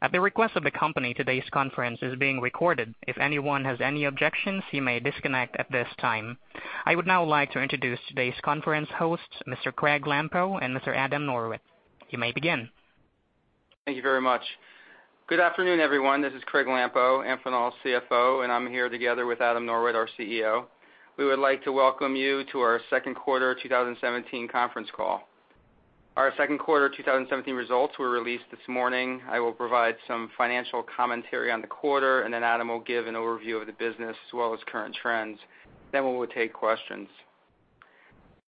At the request of the company, today's conference is being recorded. If anyone has any objections, you may disconnect at this time. I would now like to introduce today's conference hosts, Mr. Craig Lampo and Mr. Adam Norwitt. You may begin. Thank you very much. Good afternoon, everyone. This is Craig Lampo, Amphenol's CFO, and I'm here together with Adam Norwitt, our CEO. We would like to welcome you to our second quarter 2017 conference call. Our second quarter 2017 results were released this morning. I will provide some financial commentary on the quarter, and then Adam will give an overview of the business as well as current trends. Then we will take questions.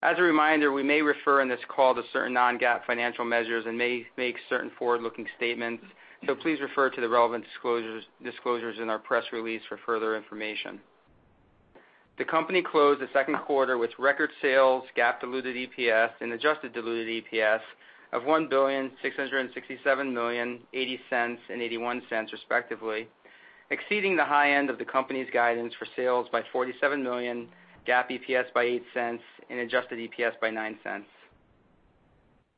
As a reminder, we may refer in this call to certain non-GAAP financial measures and may make certain forward-looking statements, so please refer to the relevant disclosures in our press release for further information. The company closed the second quarter with record sales, GAAP diluted EPS, and adjusted diluted EPS of $1,667 million, $0.80, and $0.81, respectively, exceeding the high end of the company's guidance for sales by $47 million, GAAP EPS by $0.08, and adjusted EPS by $0.09.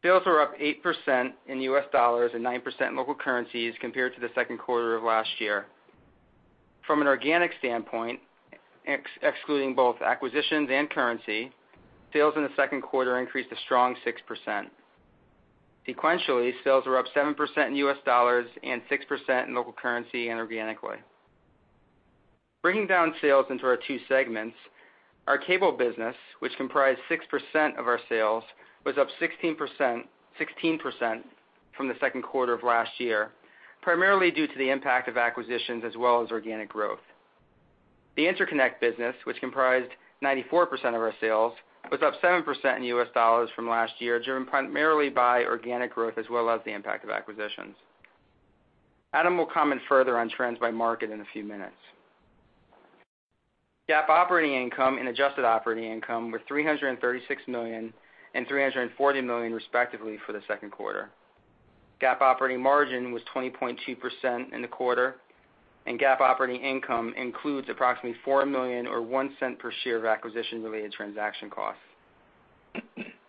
Sales were up 8% in US dollars and 9% in local currencies compared to the second quarter of last year. From an organic standpoint, excluding both acquisitions and currency, sales in the second quarter increased a strong 6%. Sequentially, sales were up 7% in US dollars and 6% in local currency and organically. Breaking down sales into our two segments, our cable business, which comprised 6% of our sales, was up 16%, 16% from the second quarter of last year, primarily due to the impact of acquisitions as well as organic growth. The interconnect business, which comprised 94% of our sales, was up 7% in U.S. dollars from last year, driven primarily by organic growth as well as the impact of acquisitions. Adam will comment further on trends by market in a few minutes. GAAP operating income and adjusted operating income were $336 million and $340 million, respectively, for the second quarter. GAAP operating margin was 20.2% in the quarter, and GAAP operating income includes approximately $4 million or $0.01 per share of acquisition-related transaction costs.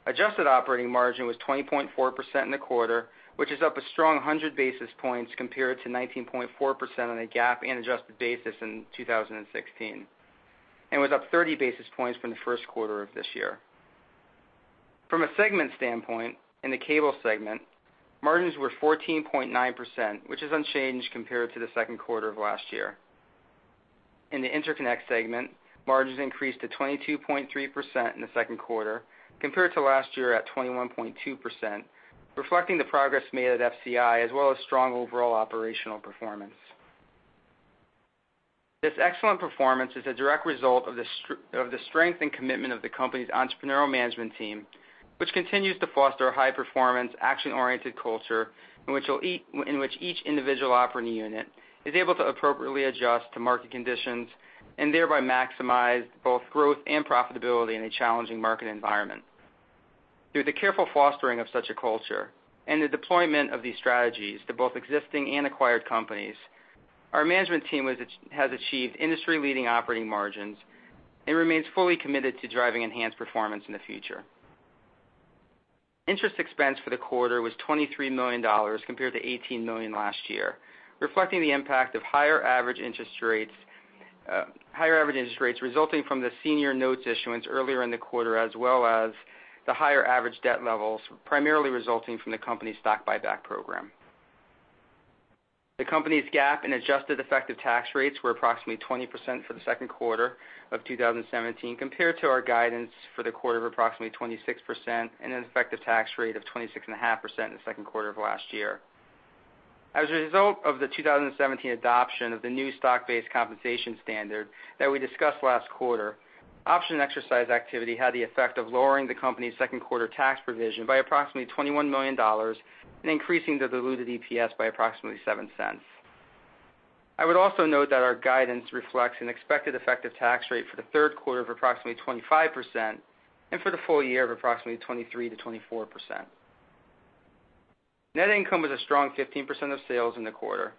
Adjusted operating margin was 20.4% in the quarter, which is up a strong 100 basis points compared to 19.4% on a GAAP and adjusted basis in 2016, and was up 30 basis points from the first quarter of this year. From a segment standpoint, in the cable segment, margins were 14.9%, which is unchanged compared to the second quarter of last year. In the interconnect segment, margins increased to 22.3% in the second quarter compared to last year at 21.2%, reflecting the progress made at FCI, as well as strong overall operational performance. This excellent performance is a direct result of the strength and commitment of the company's entrepreneurial management team, which continues to foster a high-performance, action-oriented culture, in which each individual operating unit is able to appropriately adjust to market conditions and thereby maximize both growth and profitability in a challenging market environment. Through the careful fostering of such a culture and the deployment of these strategies to both existing and acquired companies, our management team has achieved industry-leading operating margins and remains fully committed to driving enhanced performance in the future. Interest expense for the quarter was $23 million, compared to $18 million last year, reflecting the impact of higher average interest rates, higher average interest rates resulting from the senior notes issuance earlier in the quarter, as well as the higher average debt levels, primarily resulting from the company's stock buyback program. The company's GAAP and adjusted effective tax rates were approximately 20% for the second quarter of 2017, compared to our guidance for the quarter of approximately 26% and an effective tax rate of 26.5% in the second quarter of last year. As a result of the 2017 adoption of the new stock-based compensation standard that we discussed last quarter, option exercise activity had the effect of lowering the company's second quarter tax provision by approximately $21 million and increasing the diluted EPS by approximately $0.07. I would also note that our guidance reflects an expected effective tax rate for the third quarter of approximately 25% and for the full year of approximately 23%-24%. Net income was a strong 15% of sales in the quarter.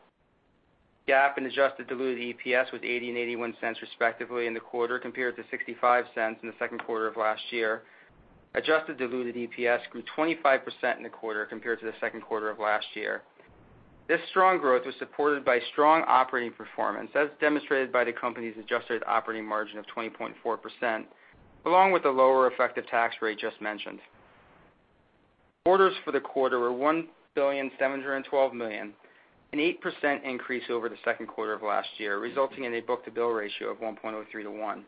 GAAP and adjusted diluted EPS was $0.80 and $0.81, respectively, in the quarter, compared to $0.65 in the second quarter of last year. Adjusted diluted EPS grew 25% in the quarter compared to the second quarter of last year. This strong growth was supported by strong operating performance, as demonstrated by the company's adjusted operating margin of 20.4%, along with a lower effective tax rate just mentioned. Orders for the quarter were $1.712 billion, an 8% increase over the second quarter of last year, resulting in a book-to-bill ratio of 1.03 to 1.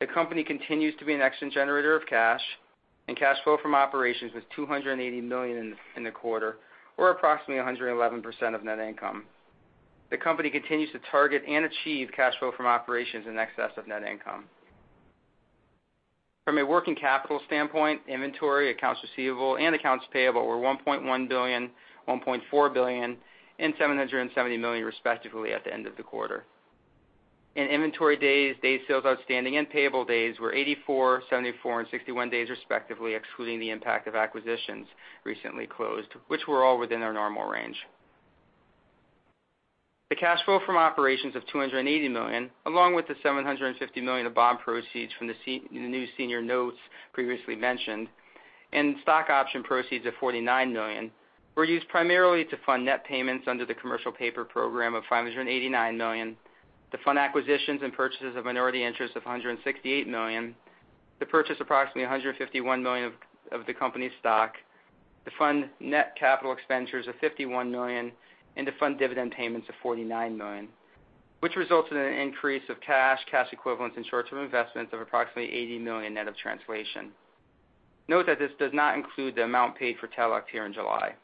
The company continues to be an excellent generator of cash, and cash flow from operations was $280 million in the quarter, or approximately 111% of net income. The company continues to target and achieve cash flow from operations in excess of net income. From a working capital standpoint, inventory, accounts receivable, and accounts payable were $1.1 billion, $1.4 billion, and $770 million, respectively, at the end of the quarter. Inventory days, days sales outstanding, and payable days were 84, 74, and 61 days, respectively, excluding the impact of acquisitions recently closed, which were all within our normal range. The cash flow from operations of $280 million, along with the $750 million of bond proceeds from the new senior notes previously mentioned, and stock option proceeds of $49 million, were used primarily to fund net payments under the commercial paper program of $589 million, to fund acquisitions and purchases of minority interest of $168 million, to purchase approximately $151 million of the company's stock, to fund net capital expenditures of $51 million, and to fund dividend payments of $49 million, which resulted in an increase of cash, cash equivalents, and short-term investments of approximately $80 million net of translation. Note that this does not include the amount paid for Telect here in July.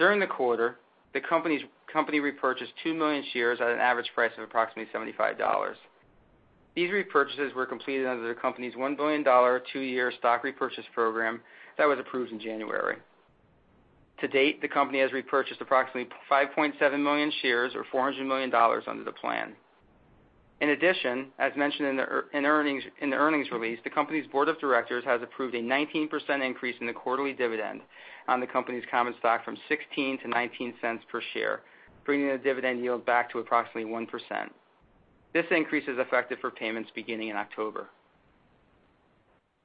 During the quarter, the company repurchased 2 million shares at an average price of approximately $75. These repurchases were completed under the company's $1 billion, 2-year stock repurchase program that was approved in January. To date, the company has repurchased approximately 5.7 million shares, or $400 million under the plan. In addition, as mentioned in the earnings release, the company's board of directors has approved a 19% increase in the quarterly dividend on the company's common stock from $0.16 to $0.19 per share, bringing the dividend yield back to approximately 1%. This increase is effective for payments beginning in October.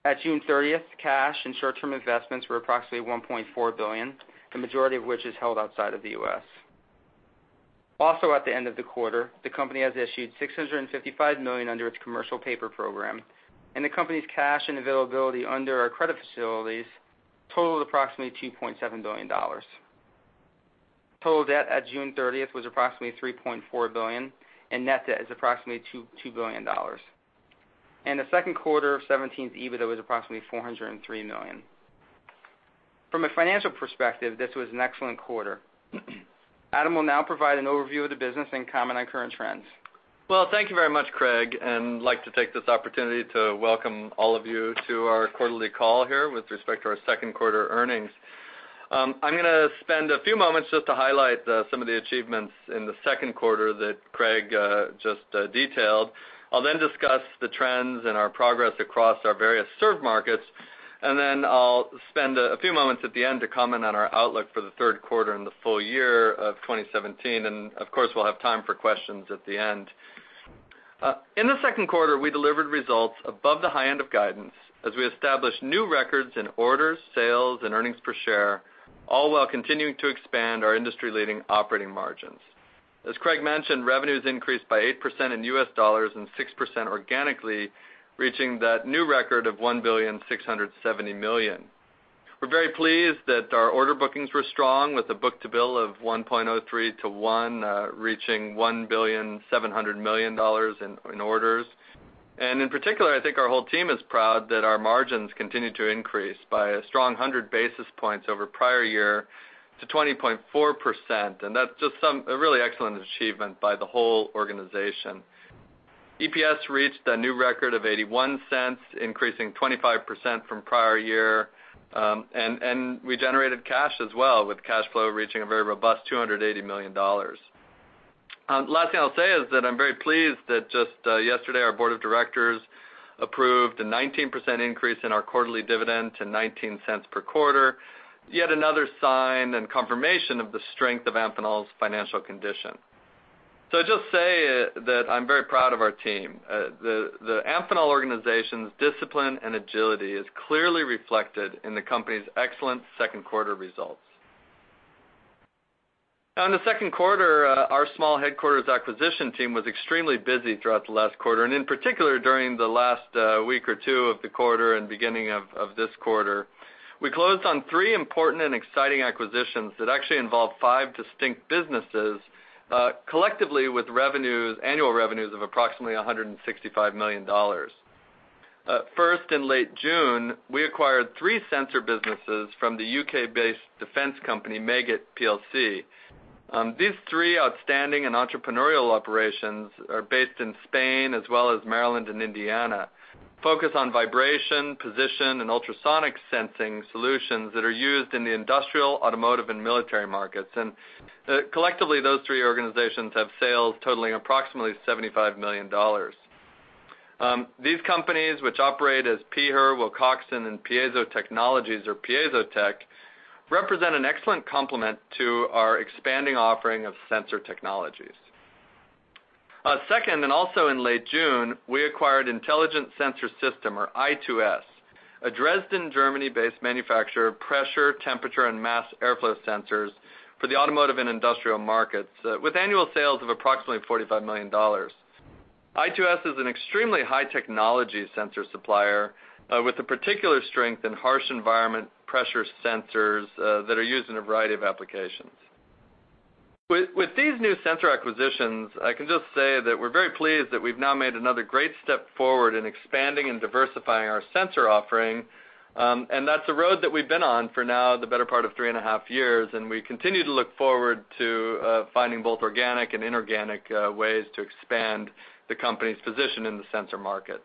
At June 30, cash and short-term investments were approximately $1.4 billion, the majority of which is held outside of the U.S. Also, at the end of the quarter, the company has issued $655 million under its commercial paper program, and the company's cash and availability under our credit facilities totaled approximately $2.7 billion. Total debt at June 30 was approximately $3.4 billion, and net debt is approximately $2.2 billion. In the second quarter of 2017, EBITDA was approximately $403 million. From a financial perspective, this was an excellent quarter. Adam will now provide an overview of the business and comment on current trends. Well, thank you very much, Craig, and I'd like to take this opportunity to welcome all of you to our quarterly call here with respect to our second quarter earnings. I'm gonna spend a few moments just to highlight some of the achievements in the second quarter that Craig just detailed. I'll then discuss the trends and our progress across our various served markets, and then I'll spend a few moments at the end to comment on our outlook for the third quarter and the full year of 2017. Of course, we'll have time for questions at the end. In the second quarter, we delivered results above the high end of guidance as we established new records in orders, sales and earnings per share, all while continuing to expand our industry-leading operating margins. As Craig mentioned, revenues increased by 8% in U.S. dollars and 6% organically, reaching that new record of $1.67 billion. We're very pleased that our order bookings were strong, with a book-to-bill of 1.03 to 1, reaching $1.7 billion in orders. In particular, I think our whole team is proud that our margins continued to increase by a strong 100 basis points over prior year to 20.4%, and that's just a really excellent achievement by the whole organization. EPS reached a new record of $0.81, increasing 25% from prior year, and we generated cash as well, with cash flow reaching a very robust $280 million. Last thing I'll say is that I'm very pleased that just yesterday, our board of directors approved a 19% increase in our quarterly dividend to $0.19 per quarter, yet another sign and confirmation of the strength of Amphenol's financial condition. So I'll just say that I'm very proud of our team. The Amphenol organization's discipline and agility is clearly reflected in the company's excellent second quarter results. Now, in the second quarter, our small headquarters acquisition team was extremely busy throughout the last quarter, and in particular, during the last week or two of the quarter and beginning of this quarter. We closed on three important and exciting acquisitions that actually involved five distinct businesses, collectively with revenues, annual revenues of approximately $165 million. First, in late June, we acquired three sensor businesses from the UK-based defense company, Meggitt PLC. These three outstanding and entrepreneurial operations are based in Spain as well as Maryland and Indiana, focus on vibration, position, and ultrasonic sensing solutions that are used in the industrial, automotive, and military markets. Collectively, those three organizations have sales totaling approximately $75 million. These companies, which operate as Piher, Wilcoxon, and Piezo Technologies or PiezoTech, represent an excellent complement to our expanding offering of sensor technologies. Second, and also in late June, we acquired Intelligent Sensor Systems or I2S, a Dresden, Germany-based manufacturer of pressure, temperature, and mass airflow sensors for the automotive and industrial markets, with annual sales of approximately $45 million. I2S is an extremely high technology sensor supplier, with a particular strength in harsh environment pressure sensors, that are used in a variety of applications. With, with these new sensor acquisitions, I can just say that we're very pleased that we've now made another great step forward in expanding and diversifying our sensor offering, and that's a road that we've been on for now the better part of three and a half years, and we continue to look forward to, finding both organic and inorganic, ways to expand the company's position in the sensor market.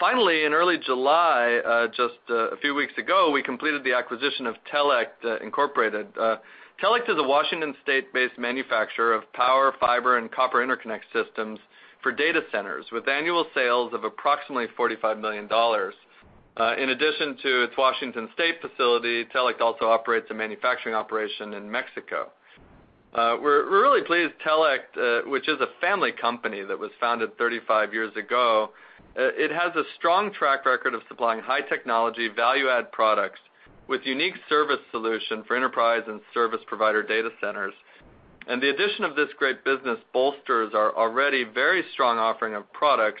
Finally, in early July, just, a few weeks ago, we completed the acquisition of Telect, Incorporated. Telect is a Washington State-based manufacturer of power, fiber, and copper interconnect systems for data centers, with annual sales of approximately $45 million. In addition to its Washington State facility, Telect also operates a manufacturing operation in Mexico. We're really pleased Telect, which is a family company that was founded 35 years ago, it has a strong track record of supplying high technology, value-add products with unique service solution for enterprise and service provider data centers. The addition of this great business bolsters our already very strong offering of products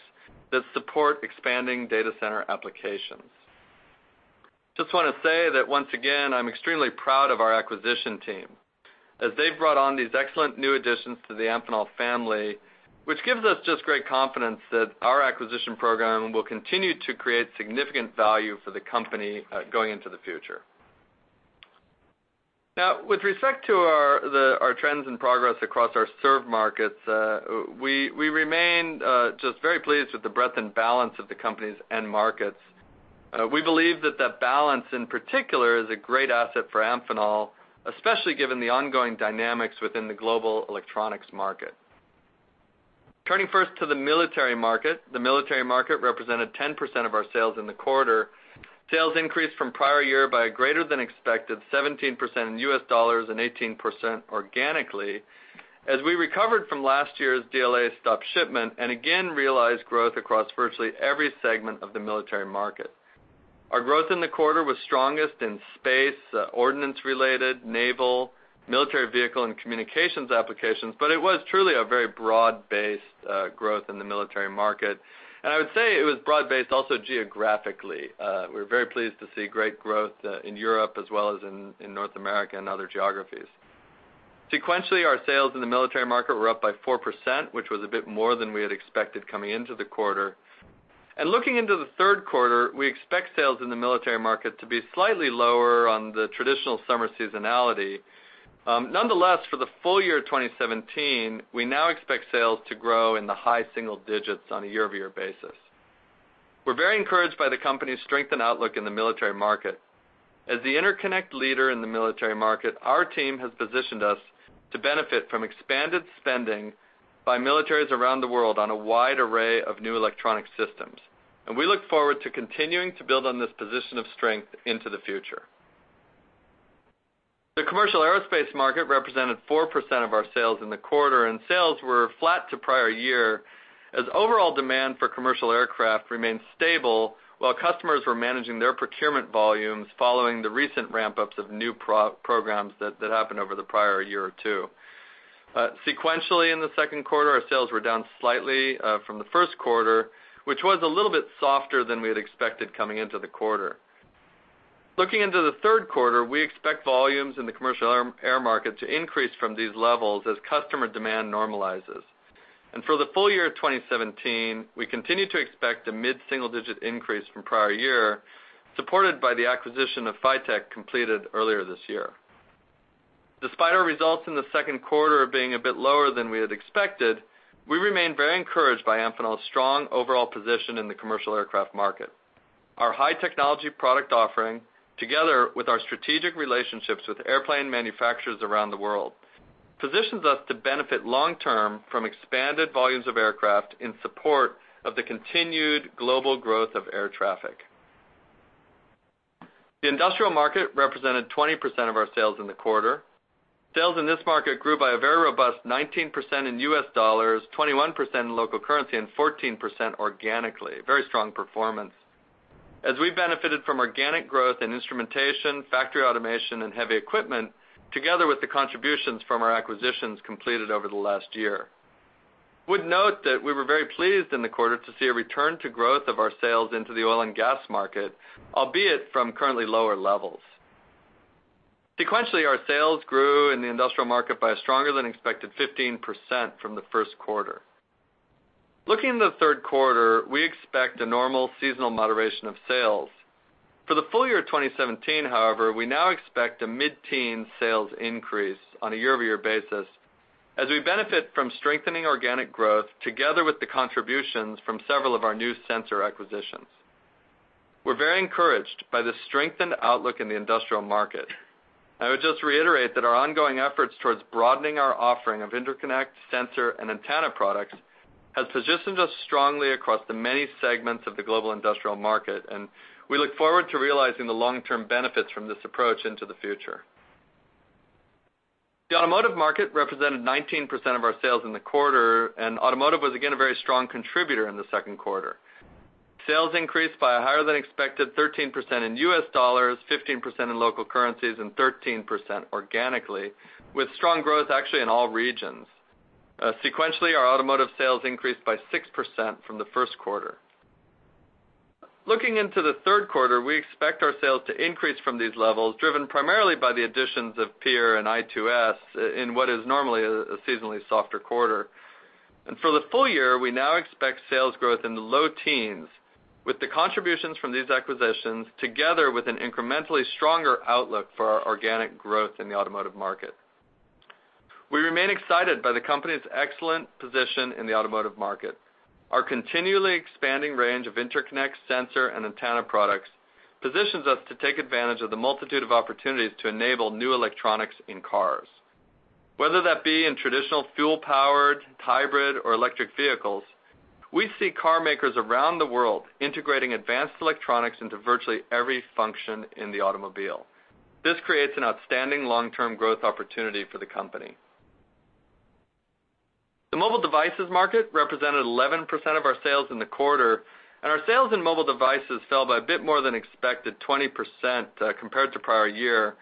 that support expanding data center applications. Just wanna say that once again, I'm extremely proud of our acquisition team, as they've brought on these excellent new additions to the Amphenol family, which gives us just great confidence that our acquisition program will continue to create significant value for the company, going into the future. Now, with respect to our trends and progress across our served markets, we remain just very pleased with the breadth and balance of the company's end markets. We believe that the balance, in particular, is a great asset for Amphenol, especially given the ongoing dynamics within the global electronics market. Turning first to the military market, the military market represented 10% of our sales in the quarter. Sales increased from prior year by a greater than expected 17% in U.S. dollars and 18% organically, as we recovered from last year's DLA stop shipment, and again, realized growth across virtually every segment of the military market. Our growth in the quarter was strongest in space, ordnance-related, naval, military vehicle, and communications applications, but it was truly a very broad-based growth in the military market. I would say it was broad-based also geographically. We're very pleased to see great growth in Europe as well as in North America and other geographies. Sequentially, our sales in the military market were up by 4%, which was a bit more than we had expected coming into the quarter. And looking into the third quarter, we expect sales in the military market to be slightly lower on the traditional summer seasonality. Nonetheless, for the full year of 2017, we now expect sales to grow in the high single digits on a year-over-year basis. We're very encouraged by the company's strength and outlook in the military market. As the interconnect leader in the military market, our team has positioned us to benefit from expanded spending by militaries around the world on a wide array of new electronic systems. And we look forward to continuing to build on this position of strength into the future. The commercial aerospace market represented 4% of our sales in the quarter, and sales were flat to prior year, as overall demand for commercial aircraft remained stable, while customers were managing their procurement volumes following the recent ramp-ups of new programs that happened over the prior year or two. Sequentially in the second quarter, our sales were down slightly from the first quarter, which was a little bit softer than we had expected coming into the quarter. Looking into the third quarter, we expect volumes in the commercial air market to increase from these levels as customer demand normalizes. And for the full year of 2017, we continue to expect a mid-single-digit increase from prior year, supported by the acquisition of Phitek completed earlier this year. Despite our results in the second quarter being a bit lower than we had expected, we remain very encouraged by Amphenol's strong overall position in the commercial aircraft market. Our high technology product offering, together with our strategic relationships with airplane manufacturers around the world, positions us to benefit long-term from expanded volumes of aircraft in support of the continued global growth of air traffic. The industrial market represented 20% of our sales in the quarter. Sales in this market grew by a very robust 19% in U.S. dollars, 21% in local currency, and 14% organically. Very strong performance. As we benefited from organic growth in instrumentation, factory automation, and heavy equipment, together with the contributions from our acquisitions completed over the last year. Would note that we were very pleased in the quarter to see a return to growth of our sales into the oil and gas market, albeit from currently lower levels. Sequentially, our sales grew in the industrial market by a stronger than expected 15% from the first quarter. Looking in the third quarter, we expect a normal seasonal moderation of sales. For the full year of 2017, however, we now expect a mid-teen sales increase on a year-over-year basis, as we benefit from strengthening organic growth, together with the contributions from several of our new sensor acquisitions. We're very encouraged by the strengthened outlook in the industrial market. I would just reiterate that our ongoing efforts towards broadening our offering of interconnect, sensor, and antenna products, has positioned us strongly across the many segments of the global industrial market, and we look forward to realizing the long-term benefits from this approach into the future. The automotive market represented 19% of our sales in the quarter, and automotive was again, a very strong contributor in the second quarter. Sales increased by a higher than expected 13% in U.S. dollars, 15% in local currencies, and 13% organically, with strong growth actually in all regions. Sequentially, our automotive sales increased by 6% from the first quarter. Looking into the third quarter, we expect our sales to increase from these levels, driven primarily by the additions of Piher and I2S, in what is normally a seasonally softer quarter. For the full year, we now expect sales growth in the low teens, with the contributions from these acquisitions, together with an incrementally stronger outlook for our organic growth in the automotive market. We remain excited by the company's excellent position in the automotive market. Our continually expanding range of interconnect, sensor, and antenna products, positions us to take advantage of the multitude of opportunities to enable new electronics in cars... whether that be in traditional fuel-powered, hybrid, or electric vehicles, we see car makers around the world integrating advanced electronics into virtually every function in the automobile. This creates an outstanding long-term growth opportunity for the company. The mobile devices market represented 11% of our sales in the quarter, and our sales in mobile devices fell by a bit more than expected, 20%, compared to prior year,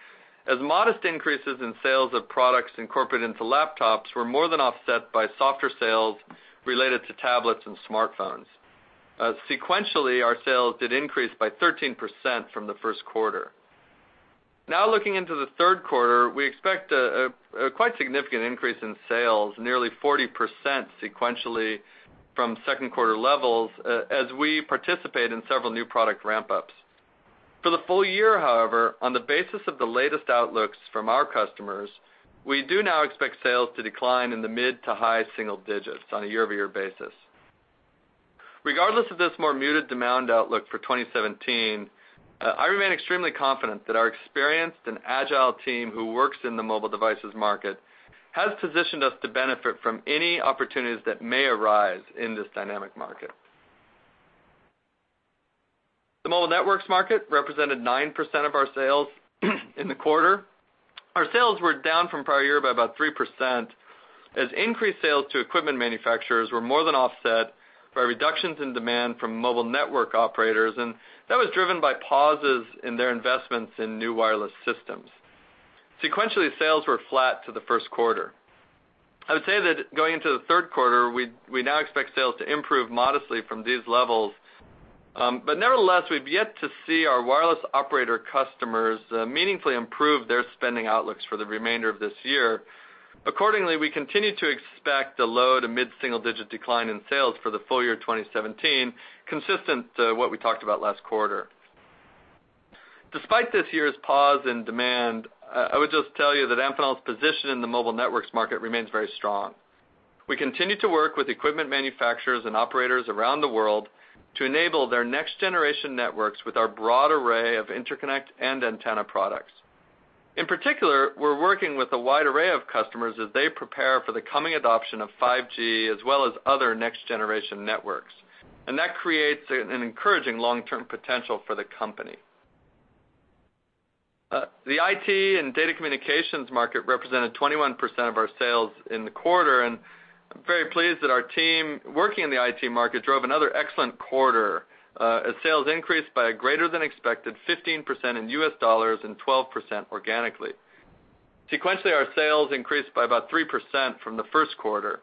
as modest increases in sales of products incorporated into laptops were more than offset by softer sales related to tablets and smartphones. Sequentially, our sales did increase by 13% from the first quarter. Now, looking into the third quarter, we expect a quite significant increase in sales, nearly 40% sequentially from second quarter levels, as we participate in several new product ramp-ups. For the full year, however, on the basis of the latest outlooks from our customers, we do now expect sales to decline in the mid to high single digits on a year-over-year basis. Regardless of this more muted demand outlook for 2017, I remain extremely confident that our experienced and agile team, who works in the mobile devices market, has positioned us to benefit from any opportunities that may arise in this dynamic market. The mobile networks market represented 9% of our sales in the quarter. Our sales were down from prior year by about 3%, as increased sales to equipment manufacturers were more than offset by reductions in demand from mobile network operators, and that was driven by pauses in their investments in new wireless systems. Sequentially, sales were flat to the first quarter. I would say that going into the third quarter, we now expect sales to improve modestly from these levels. But nevertheless, we've yet to see our wireless operator customers meaningfully improve their spending outlooks for the remainder of this year. Accordingly, we continue to expect a low- to mid-single-digit decline in sales for the full year 2017, consistent with what we talked about last quarter. Despite this year's pause in demand, I would just tell you that Amphenol's position in the mobile networks market remains very strong. We continue to work with equipment manufacturers and operators around the world to enable their next-generation networks with our broad array of interconnect and antenna products. In particular, we're working with a wide array of customers as they prepare for the coming adoption of 5G, as well as other next-generation networks, and that creates an encouraging long-term potential for the company. The IT and data communications market represented 21% of our sales in the quarter, and I'm very pleased that our team working in the IT market drove another excellent quarter, as sales increased by a greater than expected 15% in U.S. dollars and 12% organically. Sequentially, our sales increased by about 3% from the first quarter.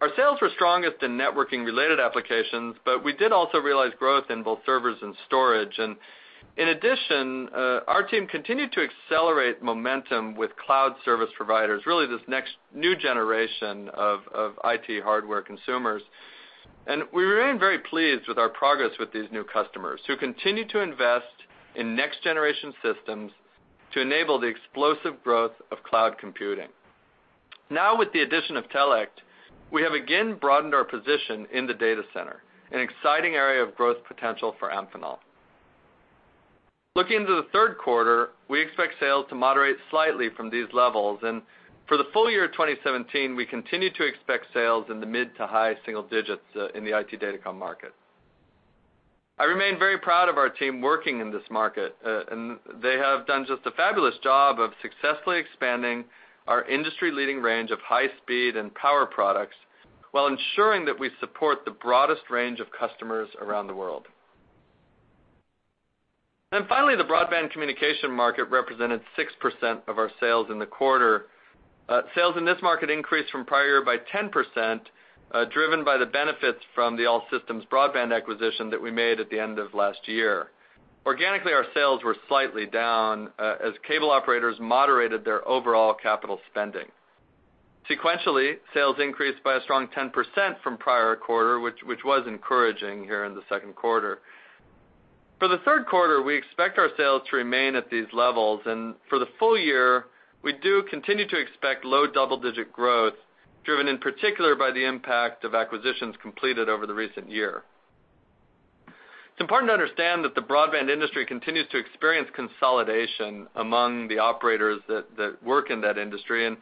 Our sales were strongest in networking-related applications, but we did also realize growth in both servers and storage. And in addition, our team continued to accelerate momentum with cloud service providers, really this next new generation of IT hardware consumers. And we remain very pleased with our progress with these new customers, who continue to invest in next-generation systems to enable the explosive growth of cloud computing. Now, with the addition of Telect, we have again broadened our position in the data center, an exciting area of growth potential for Amphenol. Looking into the third quarter, we expect sales to moderate slightly from these levels, and for the full year of 2017, we continue to expect sales in the mid to high single digits in the IT datacom market. I remain very proud of our team working in this market, and they have done just a fabulous job of successfully expanding our industry-leading range of high speed and power products, while ensuring that we support the broadest range of customers around the world. And finally, the broadband communication market represented 6% of our sales in the quarter. Sales in this market increased from prior year by 10%, driven by the benefits from the All Systems Broadband acquisition that we made at the end of last year. Organically, our sales were slightly down, as cable operators moderated their overall capital spending. Sequentially, sales increased by a strong 10% from prior quarter, which was encouraging here in the second quarter. For the third quarter, we expect our sales to remain at these levels, and for the full year, we do continue to expect low double-digit growth, driven in particular by the impact of acquisitions completed over the recent year. It's important to understand that the broadband industry continues to experience consolidation among the operators that work in that industry, and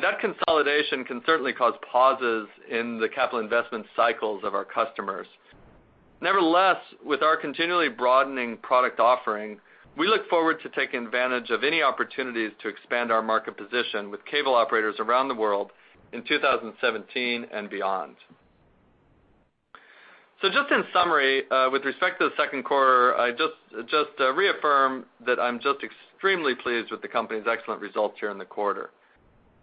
that consolidation can certainly cause pauses in the capital investment cycles of our customers. Nevertheless, with our continually broadening product offering, we look forward to taking advantage of any opportunities to expand our market position with cable operators around the world in 2017 and beyond. So just in summary, with respect to the second quarter, I just reaffirm that I'm just extremely pleased with the company's excellent results here in the quarter.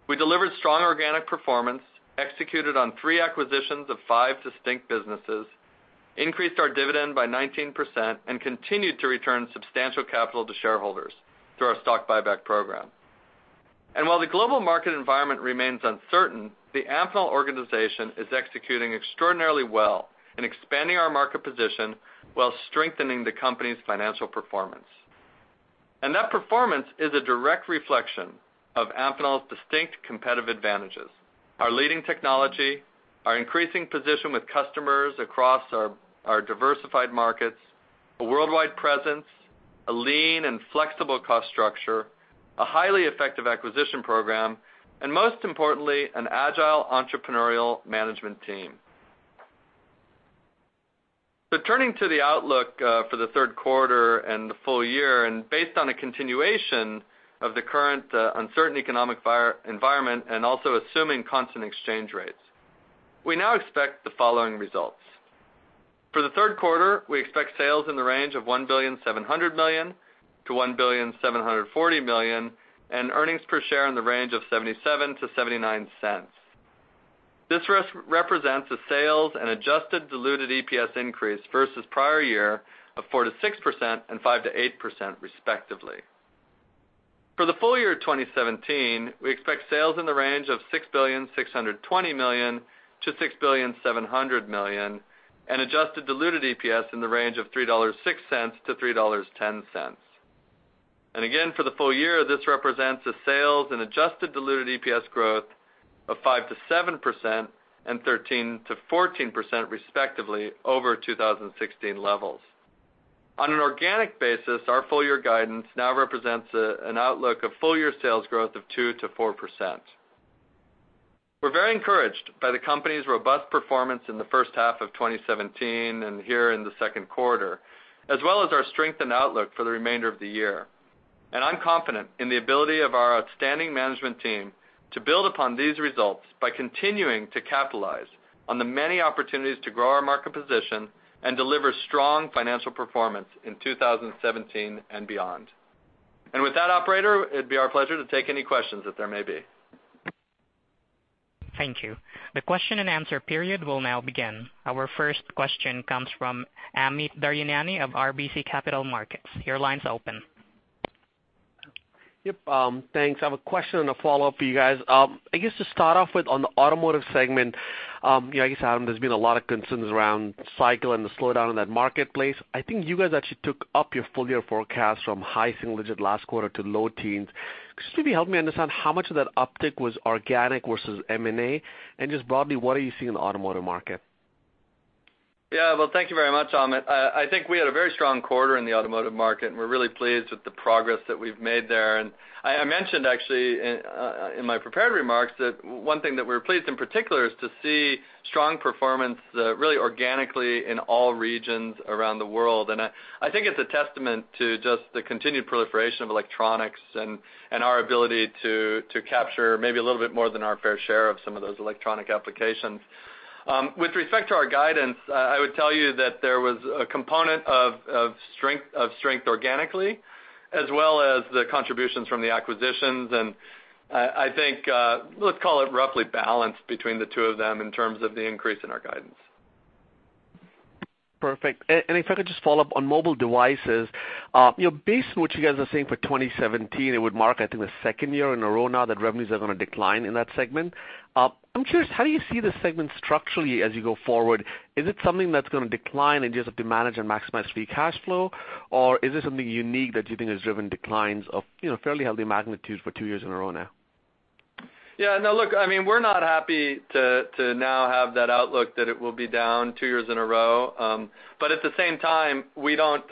We delivered strong organic performance, executed on 3 acquisitions of 5 distinct businesses, increased our dividend by 19%, and continued to return substantial capital to shareholders through our stock buyback program. While the global market environment remains uncertain, the Amphenol organization is executing extraordinarily well in expanding our market position, while strengthening the company's financial performance. That performance is a direct reflection of Amphenol's distinct competitive advantages, our leading technology, our increasing position with customers across our diversified markets-... a worldwide presence, a lean and flexible cost structure, a highly effective acquisition program, and most importantly, an agile entrepreneurial management team. So turning to the outlook, for the third quarter and the full year, and based on a continuation of the current, uncertain economic environment, and also assuming constant exchange rates, we now expect the following results. For the third quarter, we expect sales in the range of $1.7 billion-$1.74 billion, and earnings per share in the range of $0.77-$0.79. This represents a sales and adjusted diluted EPS increase versus prior year of 4%-6% and 5%-8% respectively. For the full year of 2017, we expect sales in the range of $6.62 billion-$6.7 billion, and adjusted diluted EPS in the range of $3.06-$3.10. And again, for the full year, this represents a sales and adjusted diluted EPS growth of 5%-7% and 13%-14% respectively over 2016 levels. On an organic basis, our full year guidance now represents an outlook of full year sales growth of 2%-4%. We're very encouraged by the company's robust performance in the first half of 2017 and here in the second quarter, as well as our strengthened outlook for the remainder of the year. I'm confident in the ability of our outstanding management team to build upon these results by continuing to capitalize on the many opportunities to grow our market position and deliver strong financial performance in 2017 and beyond. And with that, operator, it'd be our pleasure to take any questions that there may be. Thank you. The question and answer period will now begin. Our first question comes from Amit Daryanani of RBC Capital Markets. Your line's open. Yep, thanks. I have a question and a follow-up for you guys. I guess to start off with, on the automotive segment, you know, I guess, Adam, there's been a lot of concerns around cycle and the slowdown in that marketplace. I think you guys actually took up your full year forecast from high single digit last quarter to low teens. Could you maybe help me understand how much of that uptick was organic versus M&A? And just broadly, what are you seeing in the automotive market? Yeah, well, thank you very much, Amit. I think we had a very strong quarter in the automotive market, and we're really pleased with the progress that we've made there. And I mentioned, actually, in my prepared remarks, that one thing that we're pleased in particular is to see strong performance, really organically in all regions around the world. And I think it's a testament to just the continued proliferation of electronics and our ability to capture maybe a little bit more than our fair share of some of those electronic applications. With respect to our guidance, I would tell you that there was a component of strength organically, as well as the contributions from the acquisitions. I think, let's call it roughly balanced between the two of them in terms of the increase in our guidance. Perfect. And if I could just follow up on mobile devices, you know, based on what you guys are saying for 2017, it would mark, I think, the second year in a row now that revenues are gonna decline in that segment. I'm curious, how do you see this segment structurally as you go forward? Is it something that's gonna decline and you just have to manage and maximize free cash flow? Or is this something unique that you think has driven declines of, you know, fairly healthy magnitude for two years in a row now? Yeah, no, look, I mean, we're not happy to now have that outlook that it will be down two years in a row. But at the same time, we don't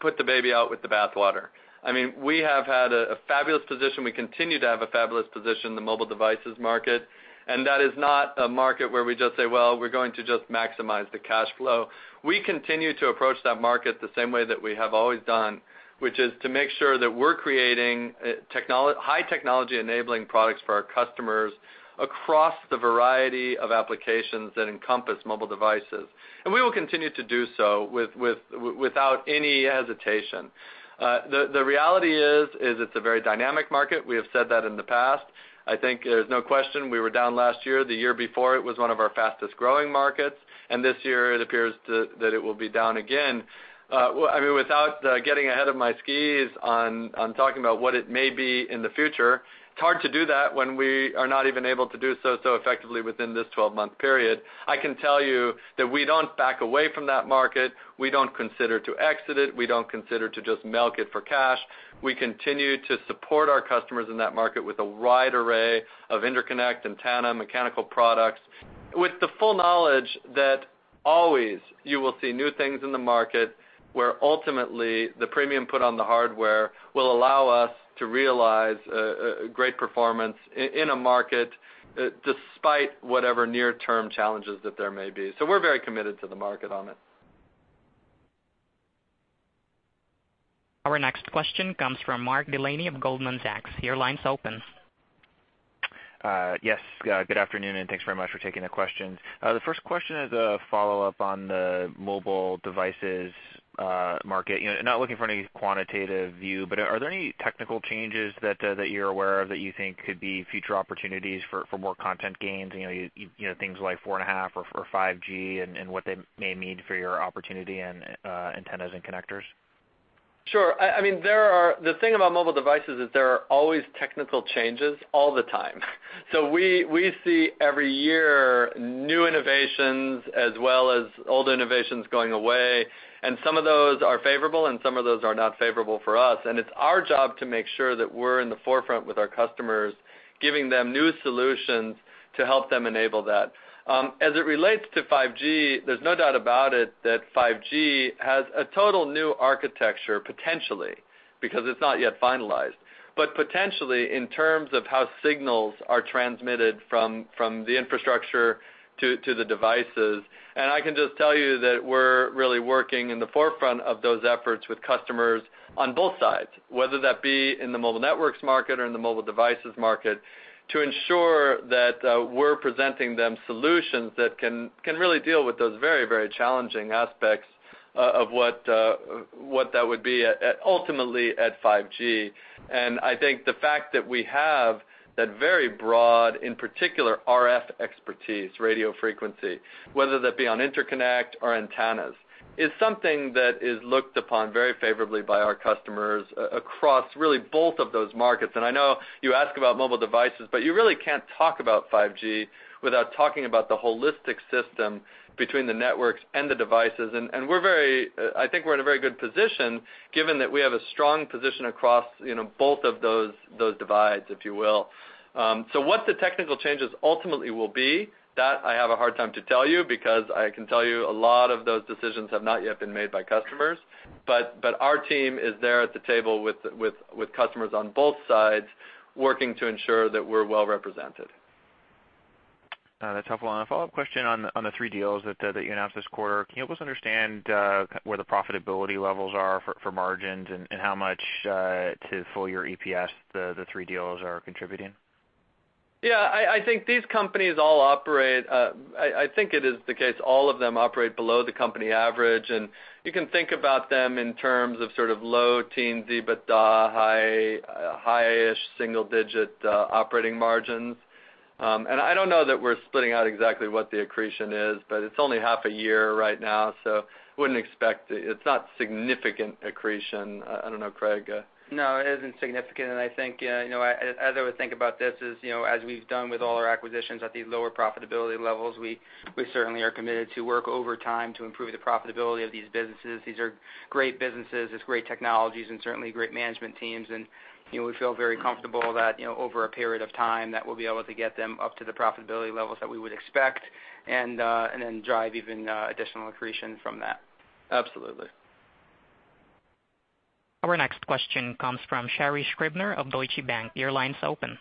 put the baby out with the bathwater. I mean, we have had a fabulous position. We continue to have a fabulous position in the mobile devices market, and that is not a market where we just say, "Well, we're going to just maximize the cash flow." We continue to approach that market the same way that we have always done, which is to make sure that we're creating high technology enabling products for our customers across the variety of applications that encompass mobile devices. And we will continue to do so without any hesitation. The reality is it's a very dynamic market. We have said that in the past. I think there's no question we were down last year. The year before, it was one of our fastest-growing markets, and this year it appears to, that it will be down again. I mean, without getting ahead of my skis on talking about what it may be in the future, it's hard to do that when we are not even able to do so, so effectively within this 12-month period. I can tell you that we don't back away from that market. We don't consider to exit it. We don't consider to just milk it for cash. We continue to support our customers in that market with a wide array of interconnect, antenna, mechanical products, with the full knowledge that always you will see new things in the market, where ultimately, the premium put on the hardware will allow us to realize great performance in a market, despite whatever near-term challenges that there may be. So we're very committed to the market, Amit. Our next question comes from Mark Delaney of Goldman Sachs. Your line's open. Yes, good afternoon, and thanks very much for taking the questions. The first question is a follow-up on the mobile devices market. You know, not looking for any quantitative view, but are there any technical changes that you're aware of that you think could be future opportunities for more content gains? You know, things like 4.5 or 5G and what they may mean for your opportunity in antennas and connectors. Sure. I mean, there are the thing about mobile devices is there are always technical changes all the time. So we see every year, new innovations as well as old innovations going away, and some of those are favorable, and some of those are not favorable for us. And it's our job to make sure that we're in the forefront with our customers, giving them new solutions to help them enable that. As it relates to 5G, there's no doubt about it, that 5G has a total new architecture, potentially, because it's not yet finalized. But potentially, in terms of how signals are transmitted from the infrastructure to the devices. I can just tell you that we're really working in the forefront of those efforts with customers on both sides, whether that be in the mobile networks market or in the mobile devices market, to ensure that we're presenting them solutions that can, can really deal with those very, very challenging aspects of what, what that would be at, ultimately, at 5G. And I think the fact that we have that very broad, in particular, RF expertise, radio frequency, whether that be on interconnect or antennas, is something that is looked upon very favorably by our customers across really both of those markets. And I know you ask about mobile devices, but you really can't talk about 5G without talking about the holistic system between the networks and the devices. We're very— I think we're in a very good position, given that we have a strong position across, you know, both of those divides, if you will. So what the technical changes ultimately will be, that I have a hard time to tell you, because I can tell you a lot of those decisions have not yet been made by customers. Our team is there at the table with customers on both sides, working to ensure that we're well represented. That's helpful. A follow-up question on the three deals that you announced this quarter. Can you help us understand where the profitability levels are for margins, and how much to full year EPS the three deals are contributing? Yeah, I think these companies all operate. I think it is the case, all of them operate below the company average, and you can think about them in terms of sort of low teen EBITDA, high, high-ish single digit, operating margins. And I don't know that we're splitting out exactly what the accretion is, but it's only half a year right now, so wouldn't expect it. It's not significant accretion. I don't know, Craig. No, it isn't significant, and I think, you know, as, as I would think about this is, you know, as we've done with all our acquisitions at these lower profitability levels, we, we certainly are committed to work over time to improve the profitability of these businesses. These are great businesses, it's great technologies, and certainly great management teams. And, you know, we feel very comfortable that, you know, over a period of time, that we'll be able to get them up to the profitability levels that we would expect, and, and then drive even additional accretion from that. Absolutely. Our next question comes from Sherri Scribner of Deutsche Bank. Your line's open.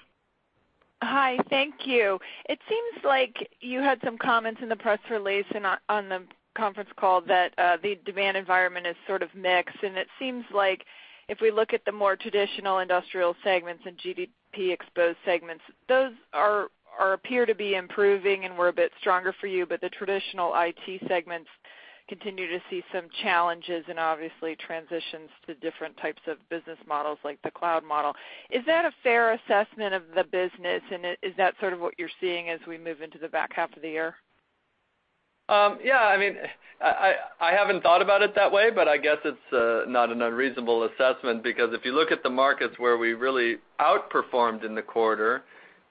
Hi, thank you. It seems like you had some comments in the press release and on the conference call that the demand environment is sort of mixed. It seems like if we look at the more traditional industrial segments and GDP-exposed segments, those appear to be improving and we're a bit stronger for you, but the traditional IT segments continue to see some challenges and obviously transitions to different types of business models, like the cloud model. Is that a fair assessment of the business, and is that sort of what you're seeing as we move into the back half of the year? Yeah, I mean, I haven't thought about it that way, but I guess it's not an unreasonable assessment, because if you look at the markets where we really outperformed in the quarter,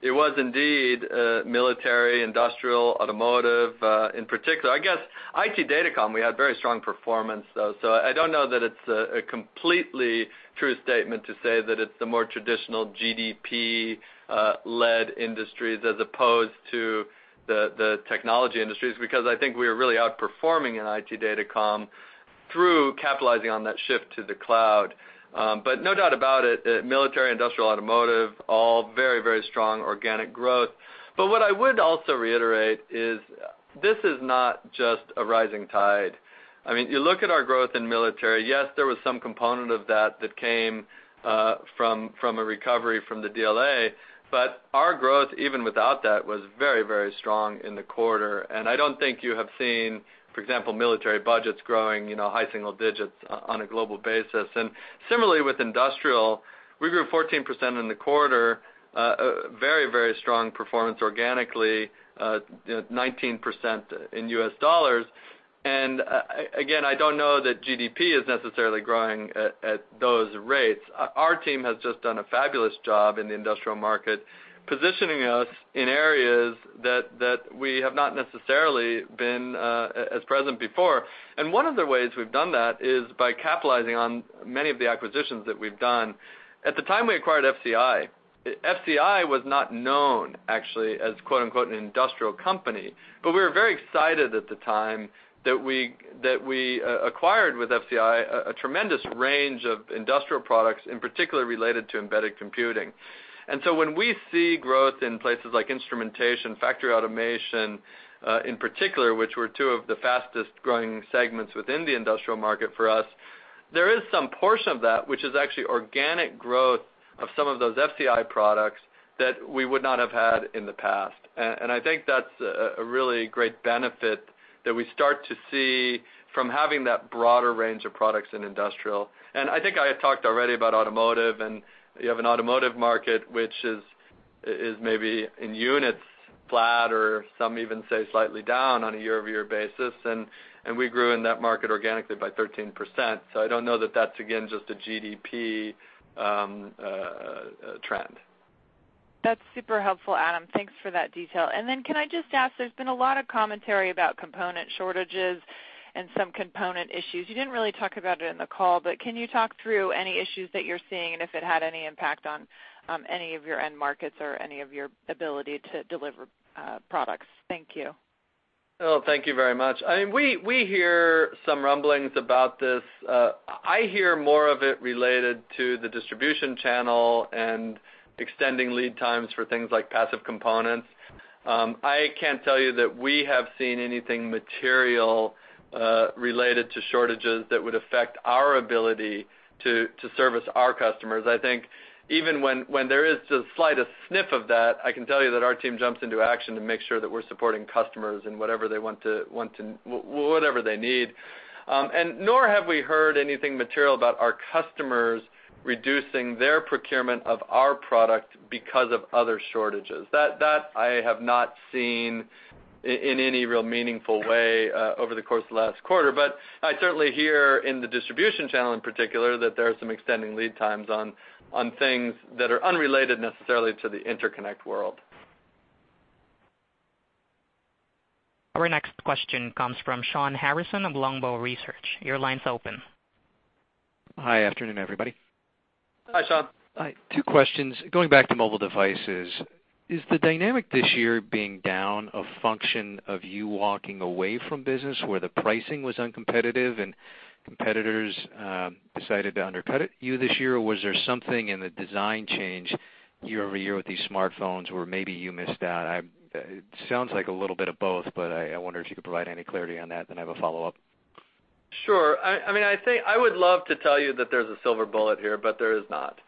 it was indeed military, industrial, automotive in particular. I guess IT Datacom we had very strong performance, though, so I don't know that it's a completely true statement to say that it's the more traditional GDP led industries, as opposed to the technology industries, because I think we are really outperforming in IT Datacom through capitalizing on that shift to the cloud. But no doubt about it, that military, industrial, automotive all very, very strong organic growth. But what I would also reiterate is this is not just a rising tide. I mean, you look at our growth in military, yes, there was some component of that that came from a recovery from the DLA, but our growth, even without that, was very, very strong in the quarter. And I don't think you have seen, for example, military budgets growing, you know, high single digits on a global basis. And similarly, with industrial, we grew 14% in the quarter, very, very strong performance organically, you know, 19% in U.S. dollars. And again, I don't know that GDP is necessarily growing at those rates. Our team has just done a fabulous job in the industrial market, positioning us in areas that we have not necessarily been as present before. And one of the ways we've done that is by capitalizing on many of the acquisitions that we've done. At the time we acquired FCI, FCI was not known, actually, as, quote, unquote, "an industrial company," but we were very excited at the time that we acquired with FCI a tremendous range of industrial products, in particular, related to embedded computing. And so when we see growth in places like instrumentation, factory automation, in particular, which were two of the fastest growing segments within the industrial market for us, there is some portion of that which is actually organic growth of some of those FCI products that we would not have had in the past. And I think that's a really great benefit that we start to see from having that broader range of products in industrial. And I think I had talked already about automotive, and you have an automotive market, which is maybe in units-... flat or some even say slightly down on a year-over-year basis, and we grew in that market organically by 13%. So I don't know that that's, again, just a GDP trend. That's super helpful, Adam. Thanks for that detail. And then can I just ask, there's been a lot of commentary about component shortages and some component issues. You didn't really talk about it in the call, but can you talk through any issues that you're seeing, and if it had any impact on, any of your end markets or any of your ability to deliver, products? Thank you. Well, thank you very much. I mean, we hear some rumblings about this. I hear more of it related to the distribution channel and extending lead times for things like passive components. I can't tell you that we have seen anything material related to shortages that would affect our ability to service our customers. I think even when there is the slightest sniff of that, I can tell you that our team jumps into action to make sure that we're supporting customers in whatever they want to whatever they need. And nor have we heard anything material about our customers reducing their procurement of our product because of other shortages. That I have not seen in any real meaningful way over the course of last quarter. But I certainly hear in the distribution channel, in particular, that there are some extending lead times on, on things that are unrelated necessarily to the interconnect world. Our next question comes from Shawn Harrison of Longbow Research. Your line's open. Hi, afternoon, everybody. Hi, Shawn. Hi, two questions. Going back to mobile devices, is the dynamic this year being down a function of you walking away from business where the pricing was uncompetitive and competitors decided to undercut it you this year? Or was there something in the design change year over year with these smartphones where maybe you missed out? It sounds like a little bit of both, but I wonder if you could provide any clarity on that, then I have a follow-up. Sure. I mean, I think I would love to tell you that there's a silver bullet here, but there is not.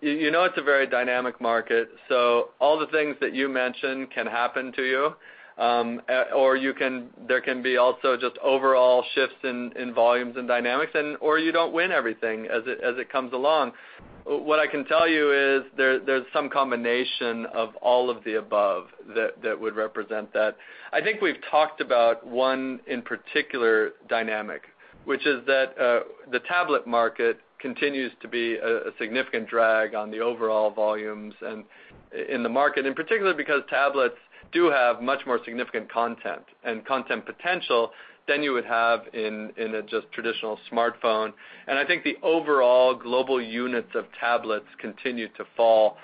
You know, it's a very dynamic market, so all the things that you mentioned can happen to you, or you can there can be also just overall shifts in volumes and dynamics, or you don't win everything as it comes along. What I can tell you is there's some combination of all of the above that would represent that. I think we've talked about one in particular dynamic, which is that the tablet market continues to be a significant drag on the overall volumes and in the market, and particularly because tablets do have much more significant content and content potential than you would have in a just traditional smartphone. I think the overall global units of tablets continue to fall.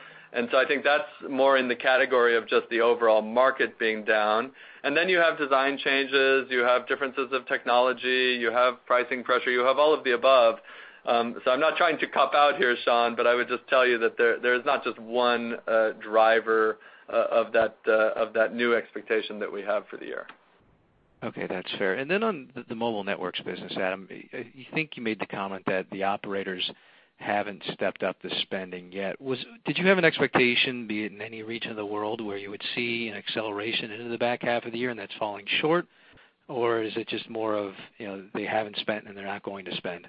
So I think that's more in the category of just the overall market being down. And then you have design changes, you have differences of technology, you have pricing pressure, you have all of the above. So I'm not trying to cop out here, Shawn, but I would just tell you that there, there's not just one driver of that new expectation that we have for the year. Okay, that's fair. And then on the mobile networks business, Adam, I think you made the comment that the operators haven't stepped up the spending yet. Did you have an expectation, be it in any region of the world, where you would see an acceleration into the back half of the year and that's falling short? Or is it just more of, you know, they haven't spent and they're not going to spend?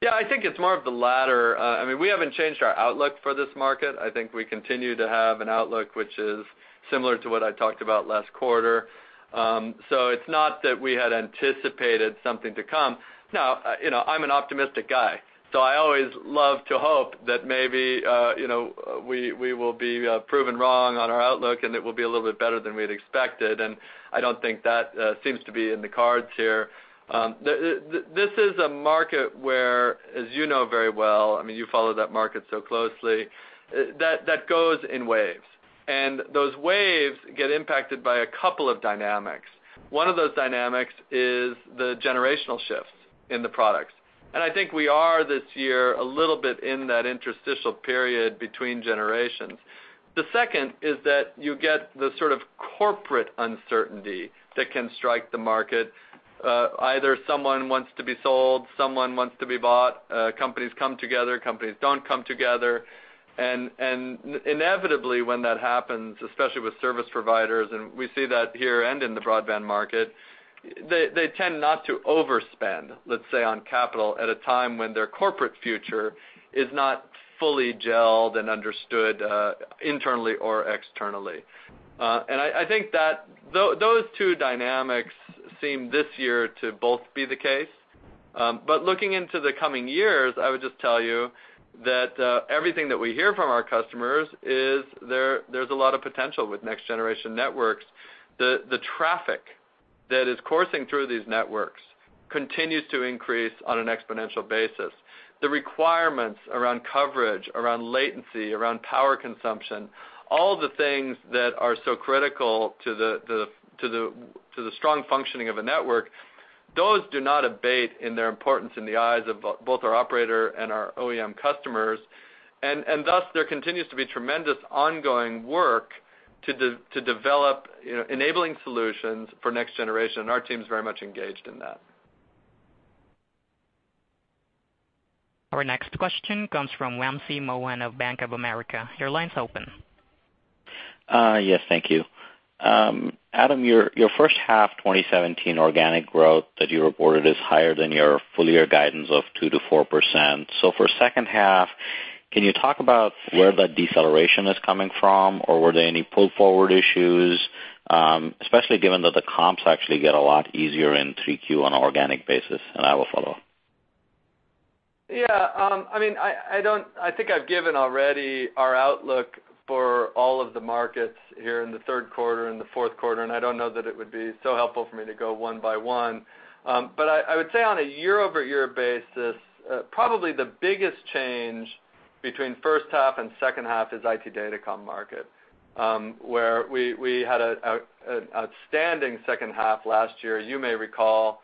Yeah, I think it's more of the latter. I mean, we haven't changed our outlook for this market. I think we continue to have an outlook which is similar to what I talked about last quarter. So it's not that we had anticipated something to come. Now, you know, I'm an optimistic guy, so I always love to hope that maybe, you know, we will be proven wrong on our outlook, and it will be a little bit better than we had expected, and I don't think that seems to be in the cards here. This is a market where, as you know very well, I mean, you follow that market so closely, that goes in waves. And those waves get impacted by a couple of dynamics. One of those dynamics is the generational shifts in the products. I think we are, this year, a little bit in that interstitial period between generations. The second is that you get the sort of corporate uncertainty that can strike the market. Either someone wants to be sold, someone wants to be bought, companies come together, companies don't come together. And inevitably, when that happens, especially with service providers, and we see that here and in the broadband market, they tend not to overspend, let's say, on capital, at a time when their corporate future is not fully gelled and understood, internally or externally. And I think that those two dynamics seem, this year, to both be the case. But looking into the coming years, I would just tell you that everything that we hear from our customers is there, there's a lot of potential with next-generation networks. The traffic that is coursing through these networks continues to increase on an exponential basis. The requirements around coverage, around latency, around power consumption, all the things that are so critical to the strong functioning of a network, those do not abate in their importance in the eyes of both our operator and our OEM customers. And thus, there continues to be tremendous ongoing work to develop, you know, enabling solutions for next generation, and our team is very much engaged in that. Our next question comes from Wamsi Mohan of Bank of America. Your line's open. Yes, thank you. Adam, your first half 2017 organic growth that you reported is higher than your full year guidance of 2%-4%. So for second half, can you talk about where that deceleration is coming from, or were there any pull forward issues, especially given that the comps actually get a lot easier in 3Q on an organic basis? And I will follow up. Yeah, I mean, I don't- I think I've given already our outlook for all of the markets here in the third quarter and the fourth quarter, and I don't know that it would be so helpful for me to go one by one. But I would say on a year-over-year basis, probably the biggest change between first half and second half is IT Datacom market, where we had an outstanding second half last year. You may recall,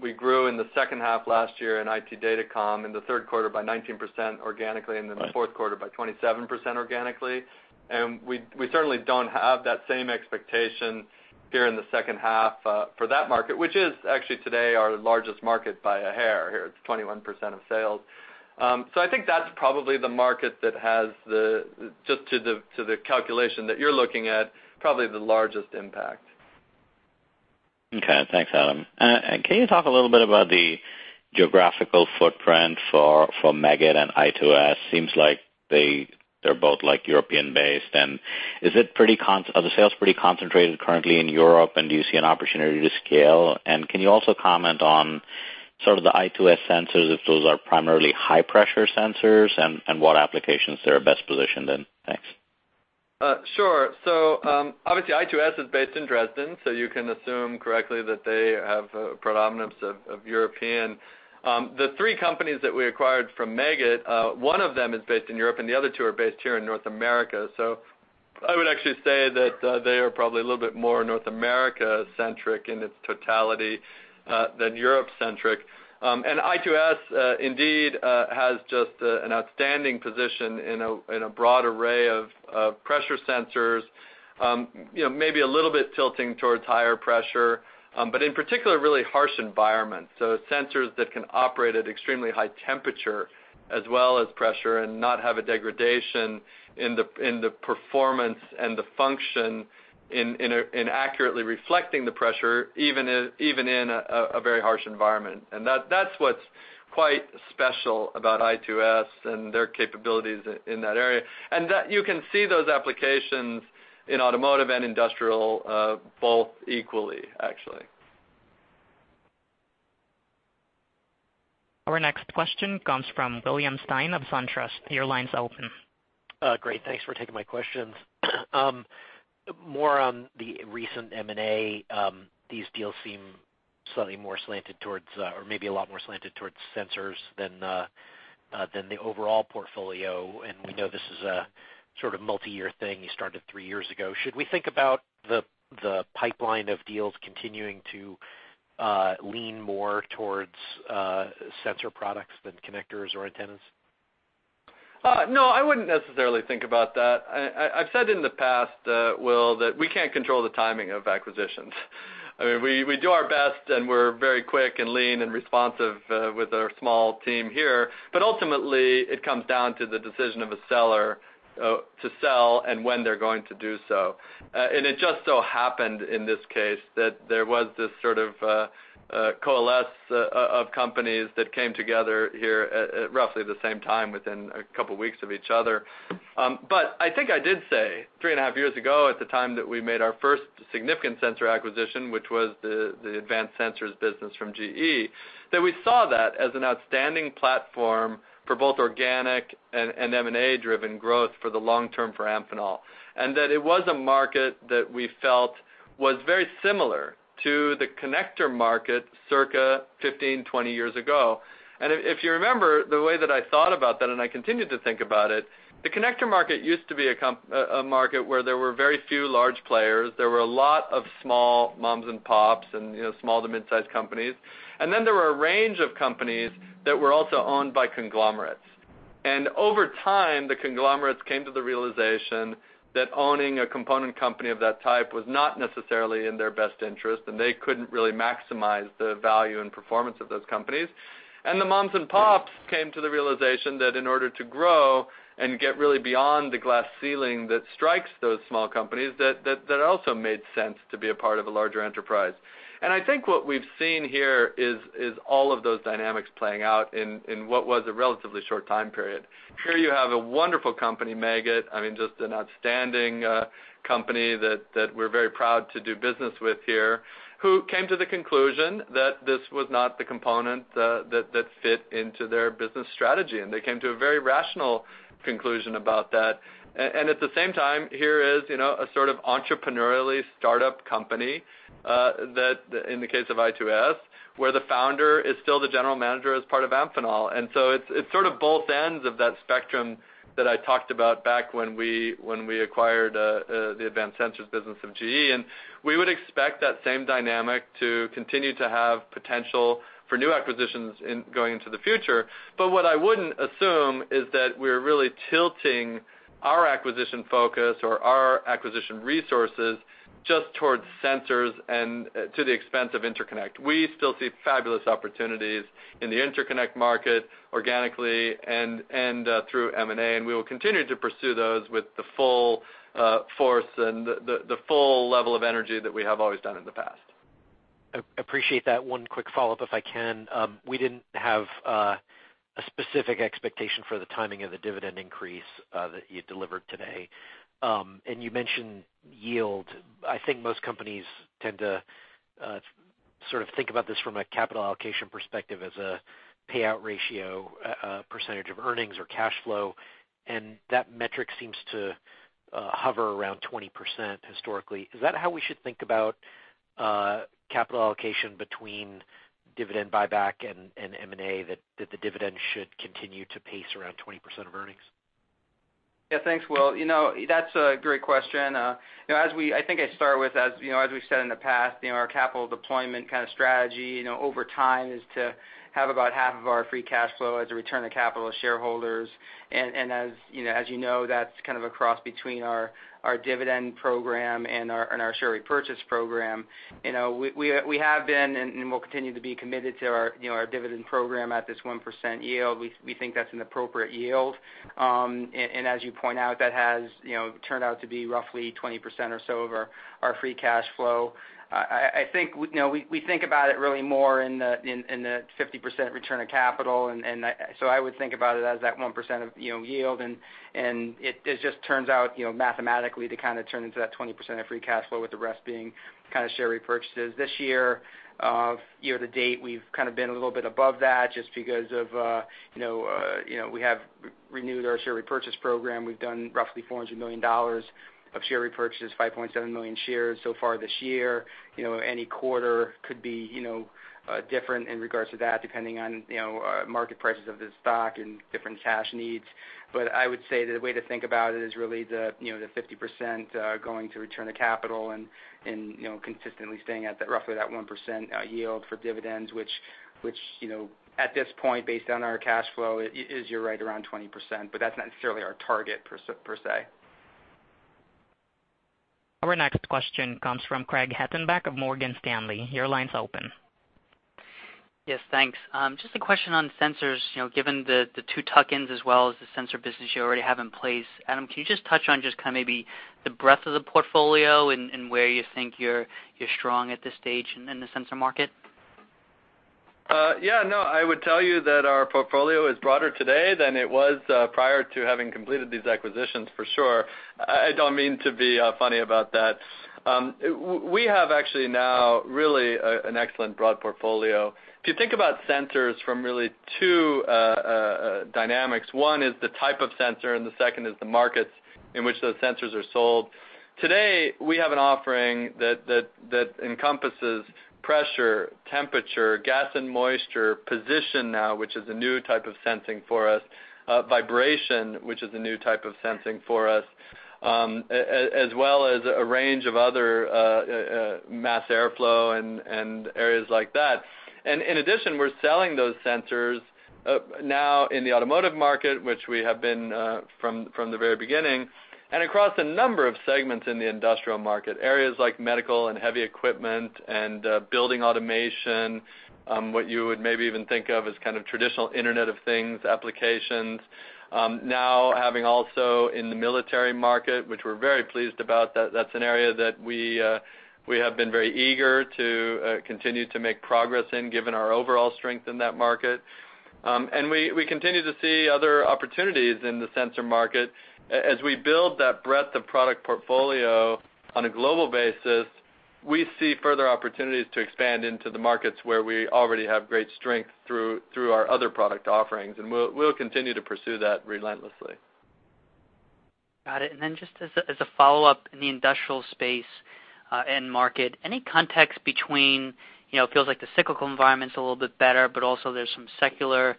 we grew in the second half last year in IT Datacom in the third quarter by 19% organically, and in the fourth quarter by 27% organically. And we, we certainly don't have that same expectation here in the second half for that market, which is actually today our largest market by a hair, here it's 21% of sales. So I think that's probably the market that has the, just to the, to the calculation that you're looking at, probably the largest impact. Okay. Thanks, Adam. And can you talk a little bit about the geographical footprint for Meggitt and I2S? Seems like they, they're both like European-based. And are the sales pretty concentrated currently in Europe, and do you see an opportunity to scale? And can you also comment on sort of the I2S sensors, if those are primarily high-pressure sensors, and what applications they're best positioned in? Thanks. Sure. So, obviously, I2S is based in Dresden, so you can assume correctly that they have a predominance of European. The three companies that we acquired from Meggitt, one of them is based in Europe, and the other two are based here in North America. So I would actually say that they are probably a little bit more North America-centric in its totality than Europe-centric. And I2S indeed has just an outstanding position in a broad array of pressure sensors. You know, maybe a little bit tilting towards higher pressure, but in particular, really harsh environments. So sensors that can operate at extremely high temperature as well as pressure and not have a degradation in the performance and the function in accurately reflecting the pressure, even in a very harsh environment. And that's what's quite special about I2S and their capabilities in that area. And that you can see those applications in automotive and industrial, both equally, actually. Our next question comes from William Stein of SunTrust. Your line's open. Great. Thanks for taking my questions. More on the recent M&A. These deals seem slightly more slanted towards, or maybe a lot more slanted towards sensors than the overall portfolio. And we know this is a sort of multi-year thing you started three years ago. Should we think about the pipeline of deals continuing to lean more towards sensor products than connectors or antennas? No, I wouldn't necessarily think about that. I've said in the past, Will, that we can't control the timing of acquisitions. I mean, we do our best, and we're very quick and lean and responsive with our small team here, but ultimately, it comes down to the decision of a seller to sell and when they're going to do so. And it just so happened in this case that there was this sort of coalescence of companies that came together here at roughly the same time, within a couple weeks of each other. But I think I did say 3.5 years ago, at the time that we made our first significant sensor acquisition, which was the Advanced Sensors business from GE, that we saw that as an outstanding platform for both organic and M&A-driven growth for the long term for Amphenol. And that it was a market that we felt was very similar to the connector market, circa 15, 20 years ago. And if you remember, the way that I thought about that, and I continued to think about it, the connector market used to be a market where there were very few large players. There were a lot of small moms and pops and, you know, small to mid-sized companies. And then there were a range of companies that were also owned by conglomerates. Over time, the conglomerates came to the realization that owning a component company of that type was not necessarily in their best interest, and they couldn't really maximize the value and performance of those companies. The moms and pops came to the realization that in order to grow and get really beyond the glass ceiling that strikes those small companies, that also made sense to be a part of a larger enterprise. I think what we've seen here is all of those dynamics playing out in what was a relatively short time period. Here you have a wonderful company, Meggitt, I mean, just an outstanding company that we're very proud to do business with here, who came to the conclusion that this was not the component that fit into their business strategy, and they came to a very rational conclusion about that. And at the same time, here is, you know, a sort of entrepreneurially startup company that in the case of I2S, where the founder is still the general manager as part of Amphenol. And so it's sort of both ends of that spectrum that I talked about back when we acquired the Advanced Sensors business of GE. And we would expect that same dynamic to continue to have potential for new acquisitions in going into the future. But what I wouldn't assume is that we're really tilting our acquisition focus or our acquisition resources just towards sensors and to the expense of interconnect. We still see fabulous opportunities in the interconnect market, organically and through M&A, and we will continue to pursue those with the full force and the full level of energy that we have always done in the past.... I appreciate that. One quick follow-up, if I can. We didn't have a specific expectation for the timing of the dividend increase that you delivered today. You mentioned yield. I think most companies tend to sort of think about this from a capital allocation perspective as a payout ratio, a percentage of earnings or cash flow, and that metric seems to hover around 20% historically. Is that how we should think about capital allocation between dividend buyback and M&A, that the dividend should continue to pace around 20% of earnings? Yeah, thanks, Will. You know, that's a great question. You know, as we've said in the past, you know, our capital deployment kind of strategy, you know, over time, is to have about half of our free cash flow as a return to capital to shareholders. And as you know, that's kind of a cross between our dividend program and our share repurchase program. You know, we have been and will continue to be committed to our dividend program at this 1% yield. We think that's an appropriate yield. And as you point out, that has turned out to be roughly 20% or so of our free cash flow. I think, you know, we think about it really more in the 50% return of capital. And so I would think about it as that 1% of, you know, yield, and it just turns out, you know, mathematically to kind of turn into that 20% of free cash flow, with the rest being kind of share repurchases. This year, year to date, we've kind of been a little bit above that just because of, you know, you know, we have renewed our share repurchase program. We've done roughly $400 million of share repurchases, 5.7 million shares so far this year. You know, any quarter could be, you know, different in regards to that, depending on, you know, market prices of the stock and different cash needs. But I would say that the way to think about it is really the, you know, the 50% going to return to capital and, you know, consistently staying at that, roughly that 1% yield for dividends, which, you know, at this point, based on our cash flow, is, you're right, around 20%, but that's not necessarily our target per se, per se. Our next question comes from Craig Hettenbach of Morgan Stanley. Your line's open. Yes, thanks. Just a question on sensors. You know, given the two tuck-ins, as well as the sensor business you already have in place, Adam, can you just touch on just kind of maybe the breadth of the portfolio and where you think you're strong at this stage in the sensor market? Yeah, no, I would tell you that our portfolio is broader today than it was prior to having completed these acquisitions, for sure. I don't mean to be funny about that. We have actually now really an excellent broad portfolio. If you think about sensors from really two dynamics, one is the type of sensor and the second is the markets in which those sensors are sold. Today, we have an offering that encompasses pressure, temperature, gas and moisture, position now, which is a new type of sensing for us, vibration, which is a new type of sensing for us, as well as a range of other mass airflow and areas like that. And in addition, we're selling those sensors now in the automotive market, which we have been from the very beginning, and across a number of segments in the industrial market, areas like medical and heavy equipment and building automation, what you would maybe even think of as kind of traditional Internet of Things applications. Now having also in the military market, which we're very pleased about, that's an area that we have been very eager to continue to make progress in, given our overall strength in that market. And we continue to see other opportunities in the sensor market. As we build that breadth of product portfolio on a global basis, we see further opportunities to expand into the markets where we already have great strength through, through our other product offerings, and we'll, we'll continue to pursue that relentlessly. Got it. And then just as a follow-up, in the industrial space and market, any context between, you know, it feels like the cyclical environment's a little bit better, but also there's some secular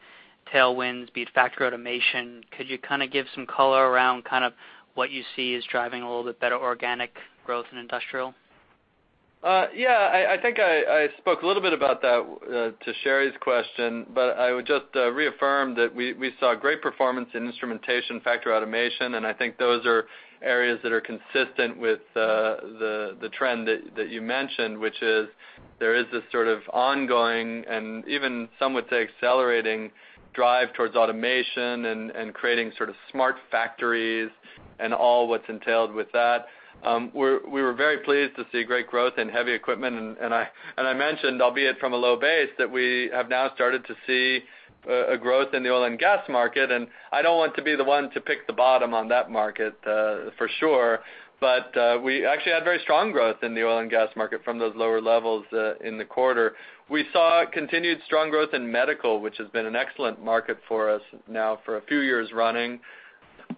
tailwinds, be it factory automation. Could you kind of give some color around kind of what you see is driving a little bit better organic growth in industrial? Yeah, I think I spoke a little bit about that to Sherri's question, but I would just reaffirm that we saw great performance in instrumentation, factory automation, and I think those are areas that are consistent with the trend that you mentioned, which is there is this sort of ongoing, and even some would say accelerating, drive towards automation and creating sort of smart factories and all that's entailed with that. We were very pleased to see great growth in heavy equipment, and I mentioned, albeit from a low base, that we have now started to see a growth in the oil and gas market. I don't want to be the one to pick the bottom on that market, for sure, but we actually had very strong growth in the oil and gas market from those lower levels in the quarter. We saw continued strong growth in medical, which has been an excellent market for us now for a few years running.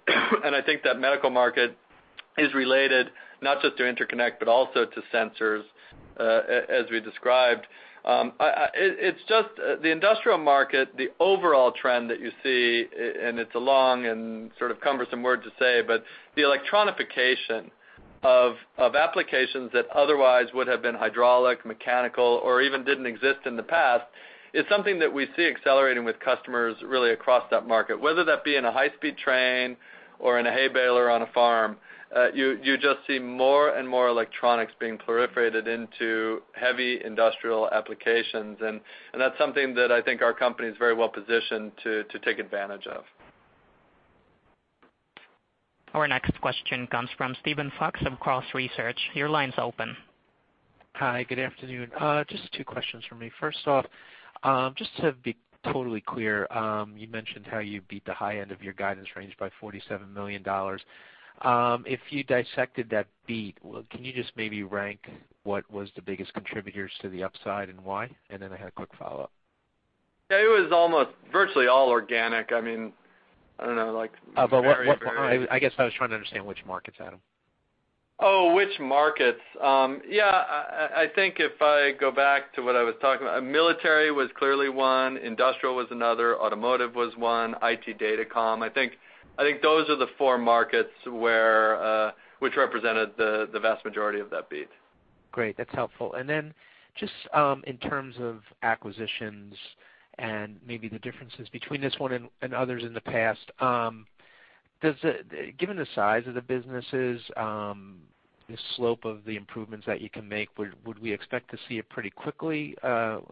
I think that medical market is related not just to interconnect, but also to sensors, as we described. It's just the industrial market, the overall trend that you see, and it's a long and sort of cumbersome word to say, but the electronification of applications that otherwise would have been hydraulic, mechanical, or even didn't exist in the past, is something that we see accelerating with customers really across that market. Whether that be in a high-speed train or in a hay baler on a farm, you just see more and more electronics being proliferated into heavy industrial applications, and that's something that I think our company is very well positioned to take advantage of. ... Our next question comes from Steven Fox of Cross Research. Your line's open. Hi, good afternoon. Just two questions for me. First off, just to be totally clear, you mentioned how you beat the high end of your guidance range by $47 million. If you dissected that beat, well, can you just maybe rank what was the biggest contributors to the upside and why? And then I had a quick follow-up. Yeah, it was almost virtually all organic. I mean, I don't know, like- But what, I guess I was trying to understand which markets, Adam. Oh, which markets? Yeah, I think if I go back to what I was talking about, military was clearly one, industrial was another, automotive was one, IT Datacom. I think those are the four markets where which represented the vast majority of that beat. Great, that's helpful. And then just in terms of acquisitions and maybe the differences between this one and others in the past, does it, given the size of the businesses, the slope of the improvements that you can make, would we expect to see it pretty quickly,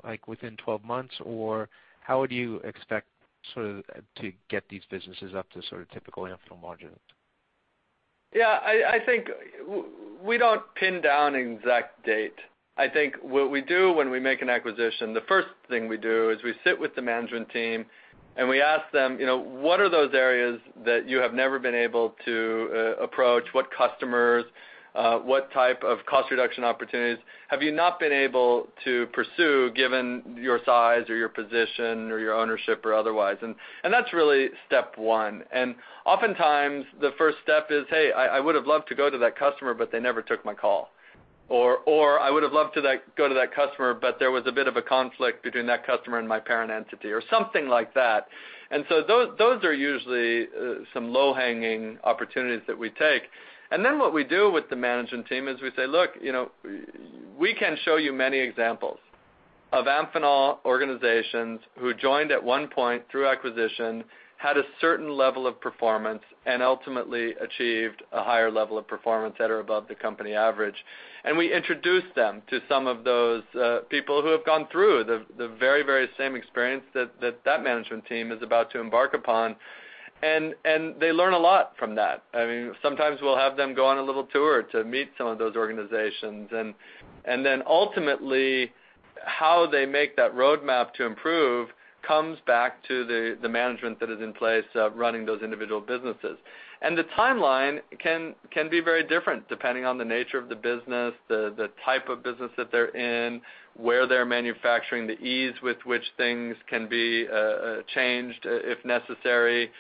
like within 12 months? Or how would you expect sort of to get these businesses up to sort of typical Amphenol margin? Yeah, I think we don't pin down an exact date. I think what we do when we make an acquisition, the first thing we do is we sit with the management team, and we ask them, you know, "What are those areas that you have never been able to approach? What customers, what type of cost reduction opportunities have you not been able to pursue, given your size or your position or your ownership or otherwise?" And that's really step one. And oftentimes, the first step is, "Hey, I would've loved to go to that customer, but they never took my call," or "I would've loved to go to that customer, but there was a bit of a conflict between that customer and my parent entity," or something like that. And so those are usually some low-hanging opportunities that we take. And then what we do with the management team is we say, "Look, you know, we can show you many examples of Amphenol organizations who joined at one point through acquisition, had a certain level of performance, and ultimately achieved a higher level of performance that are above the company average." And we introduce them to some of those people who have gone through the very, very same experience that management team is about to embark upon. And they learn a lot from that. I mean, sometimes we'll have them go on a little tour to meet some of those organizations. And then ultimately, how they make that roadmap to improve comes back to the management that is in place running those individual businesses. The timeline can, can be very different, depending on the nature of the business, the type of business that they're in, where they're manufacturing, the ease with which things can be changed, if necessary,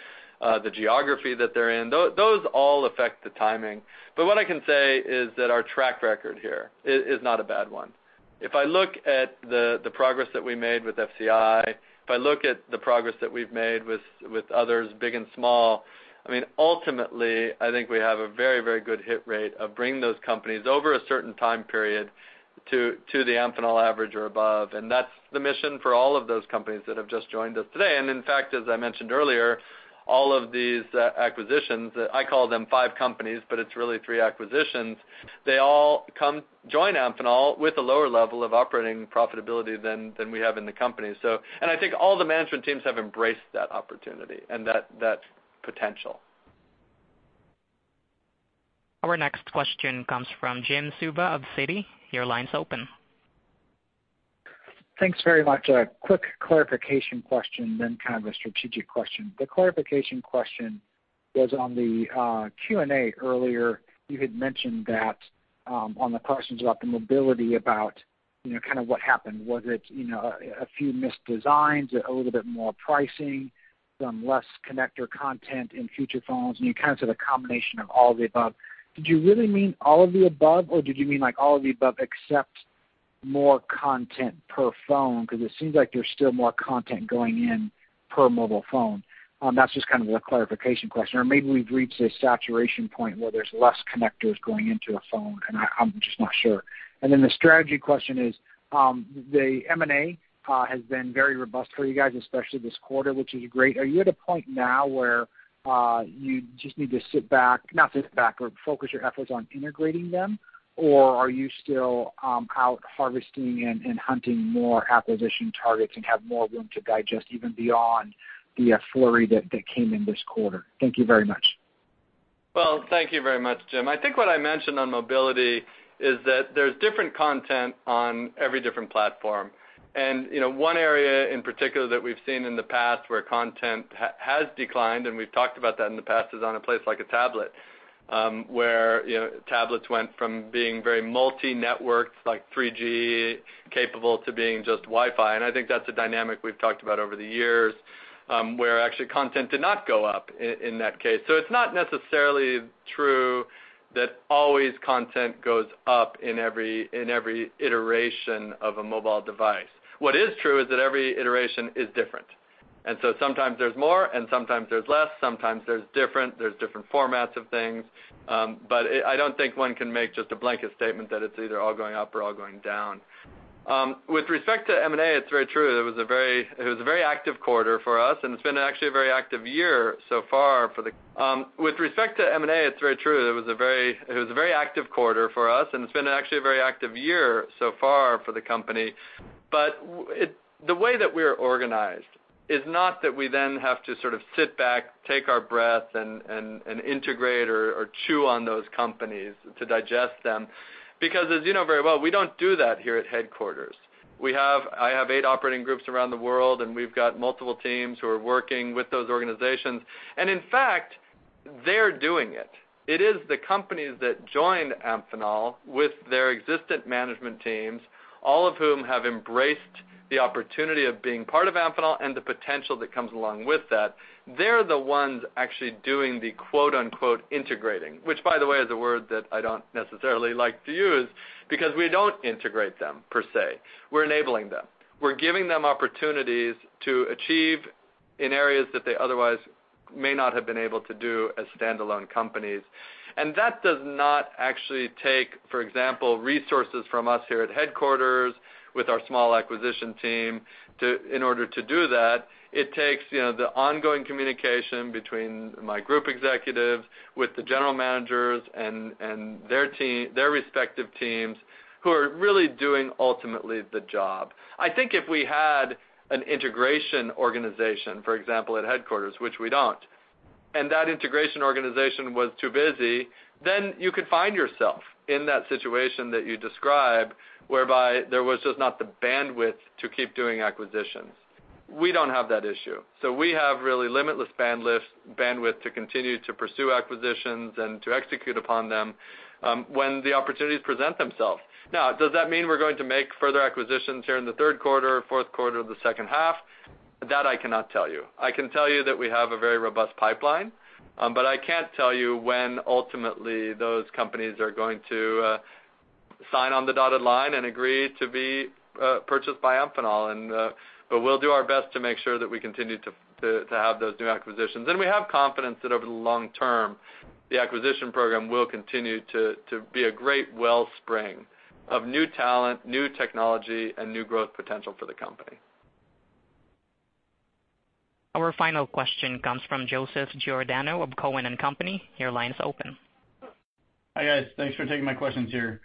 the geography that they're in. Those all affect the timing. But what I can say is that our track record here is not a bad one. If I look at the progress that we made with FCI, if I look at the progress that we've made with others, big and small, I mean, ultimately, I think we have a very, very good hit rate of bringing those companies over a certain time period to the Amphenol average or above. And that's the mission for all of those companies that have just joined us today. And in fact, as I mentioned earlier, all of these acquisitions, I call them five companies, but it's really three acquisitions, they all come join Amphenol with a lower level of operating profitability than we have in the company. So, and I think all the management teams have embraced that opportunity and that potential. Our next question comes from Jim Suva of Citi. Your line's open. Thanks very much. A quick clarification question, then kind of a strategic question. The clarification question was on the Q&A earlier, you had mentioned that on the questions about the mobility, about, you know, kind of what happened. Was it, you know, a few missed designs, a little bit more pricing, some less connector content in future phones? And you kind of said a combination of all of the above. Did you really mean all of the above, or did you mean, like, all of the above except more content per phone? Because it seems like there's still more content going in per mobile phone. That's just kind of a clarification question, or maybe we've reached a saturation point where there's less connectors going into a phone, and I, I'm just not sure. And then the strategy question is, the M&A has been very robust for you guys, especially this quarter, which is great. Are you at a point now where you just need to sit back, not sit back, or focus your efforts on integrating them, or are you still out harvesting and hunting more acquisition targets and have more room to digest even beyond the flurry that came in this quarter? Thank you very much. Well, thank you very much, Jim. I think what I mentioned on mobility is that there's different content on every different platform. And, you know, one area in particular that we've seen in the past where content has declined, and we've talked about that in the past, is on a place like a tablet, where, you know, tablets went from being very multi-networked, like 3G capable, to being just Wi-Fi. And I think that's a dynamic we've talked about over the years, where actually content did not go up in that case. So it's not necessarily true that always content goes up in every, in every iteration of a mobile device. What is true is that every iteration is different. Sometimes there's more, and sometimes there's less, sometimes there's different, there's different formats of things, but I don't think one can make just a blanket statement that it's either all going up or all going down. With respect to M&A, it's very true. It was a very active quarter for us, and it's been actually a very active year so far for the company. But the way that we are organized is not that we then have to sort of sit back, take our breath, and integrate or chew on those companies to digest them, because as you know very well, we don't do that here at headquarters. I have eight operating groups around the world, and we've got multiple teams who are working with those organizations. And in fact, they're doing it. It is the companies that join Amphenol with their existent management teams, all of whom have embraced the opportunity of being part of Amphenol and the potential that comes along with that. They're the ones actually doing the, quote-unquote, "integrating," which, by the way, is a word that I don't necessarily like to use, because we don't integrate them, per se. We're enabling them. We're giving them opportunities to achieve in areas that they otherwise may not have been able to do as standalone companies. That does not actually take, for example, resources from us here at headquarters with our small acquisition team. In order to do that, it takes, you know, the ongoing communication between my group executives with the general managers and their teams, their respective teams, who are really doing ultimately the job. I think if we had an integration organization, for example, at headquarters, which we don't, and that integration organization was too busy, then you could find yourself in that situation that you describe, whereby there was just not the bandwidth to keep doing acquisitions. We don't have that issue, so we have really limitless bandwidth to continue to pursue acquisitions and to execute upon them, when the opportunities present themselves. Now, does that mean we're going to make further acquisitions here in the third quarter or fourth quarter of the second half? That I cannot tell you. I can tell you that we have a very robust pipeline, but I can't tell you when ultimately those companies are going to sign on the dotted line and agree to be purchased by Amphenol. And but we'll do our best to make sure that we continue to have those new acquisitions. And we have confidence that over the long term, the acquisition program will continue to be a great wellspring of new talent, new technology, and new growth potential for the company. Our final question comes from Joseph Giordano of Cowen and Company. Your line is open. Hi, guys. Thanks for taking my questions here.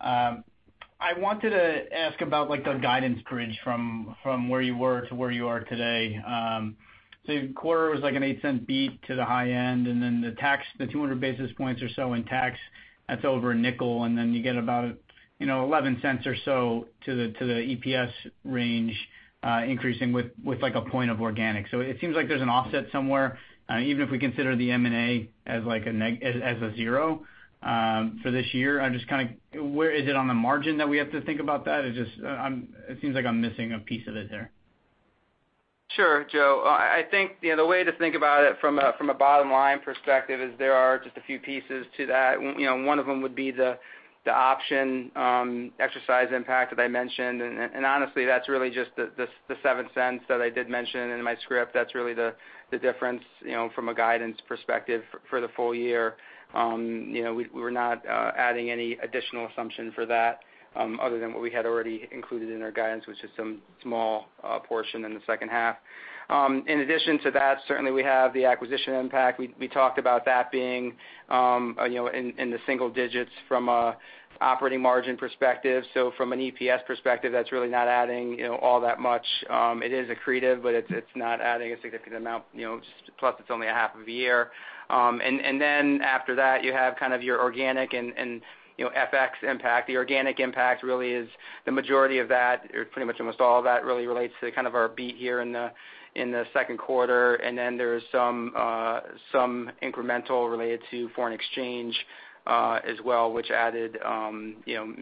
I wanted to ask about, like, the guidance bridge from, from where you were to where you are today. So your quarter was like an $0.08 beat to the high end, and then the tax, the 200 basis points or so in tax, that's over $0.05, and then you get about, you know, $0.11 or so to the, to the EPS range, increasing with, with like a point of organic. So it seems like there's an offset somewhere, even if we consider the M&A as like a neg- as a zero, for this year. I'm just kind of where is it on the margin that we have to think about that? It just, I'm... It seems like I'm missing a piece of it there. Sure, Joe. I think, you know, the way to think about it from a bottom line perspective is there are just a few pieces to that. You know, one of them would be the option exercise impact that I mentioned. And honestly, that's really just the $0.07 that I did mention in my script. That's really the difference, you know, from a guidance perspective for the full year. You know, we're not adding any additional assumption for that other than what we had already included in our guidance, which is some small portion in the second half. In addition to that, certainly we have the acquisition impact. We talked about that being, you know, in the single digits from a operating margin perspective. So from an EPS perspective, that's really not adding, you know, all that much. It is accretive, but it's not adding a significant amount, you know, just plus; it's only half of a year. And then after that, you have kind of your organic and, you know, FX impact. The organic impact really is the majority of that, pretty much almost all of that really relates to kind of our beat here in the second quarter. And then there is some incremental related to foreign exchange as well, which added, you know,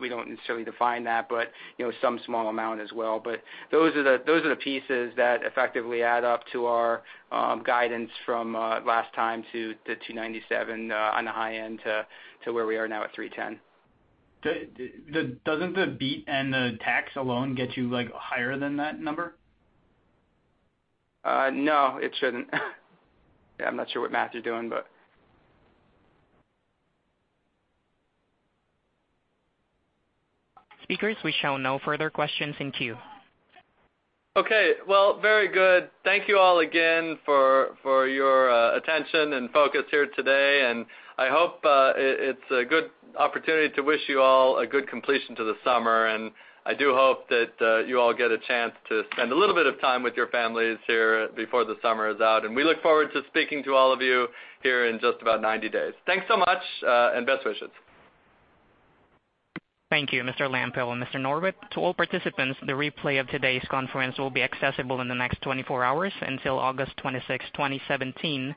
we don't necessarily define that, but, you know, some small amount as well. But those are the pieces that effectively add up to our guidance from last time to the $297 on the high end, to where we are now at $310. Doesn't the beat and the tax alone get you, like, higher than that number? No, it shouldn't. I'm not sure what math you're doing, but... Speakers, we show no further questions in queue. Okay. Well, very good. Thank you all again for your attention and focus here today, and I hope it's a good opportunity to wish you all a good completion to the summer. And I do hope that you all get a chance to spend a little bit of time with your families here before the summer is out. And we look forward to speaking to all of you here in just about 90 days. Thanks so much, and best wishes. Thank you, Mr. Lampo and Mr. Norwitt. To all participants, the replay of today's conference will be accessible in the next 24 hours until August 26, 2017.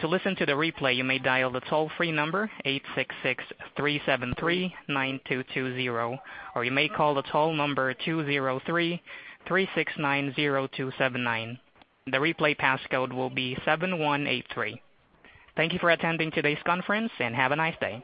To listen to the replay, you may dial the toll-free number 866-373-9220, or you may call the toll number 203-369-0279. The replay pass code will be 7183. Thank you for attending today's conference, and have a nice day.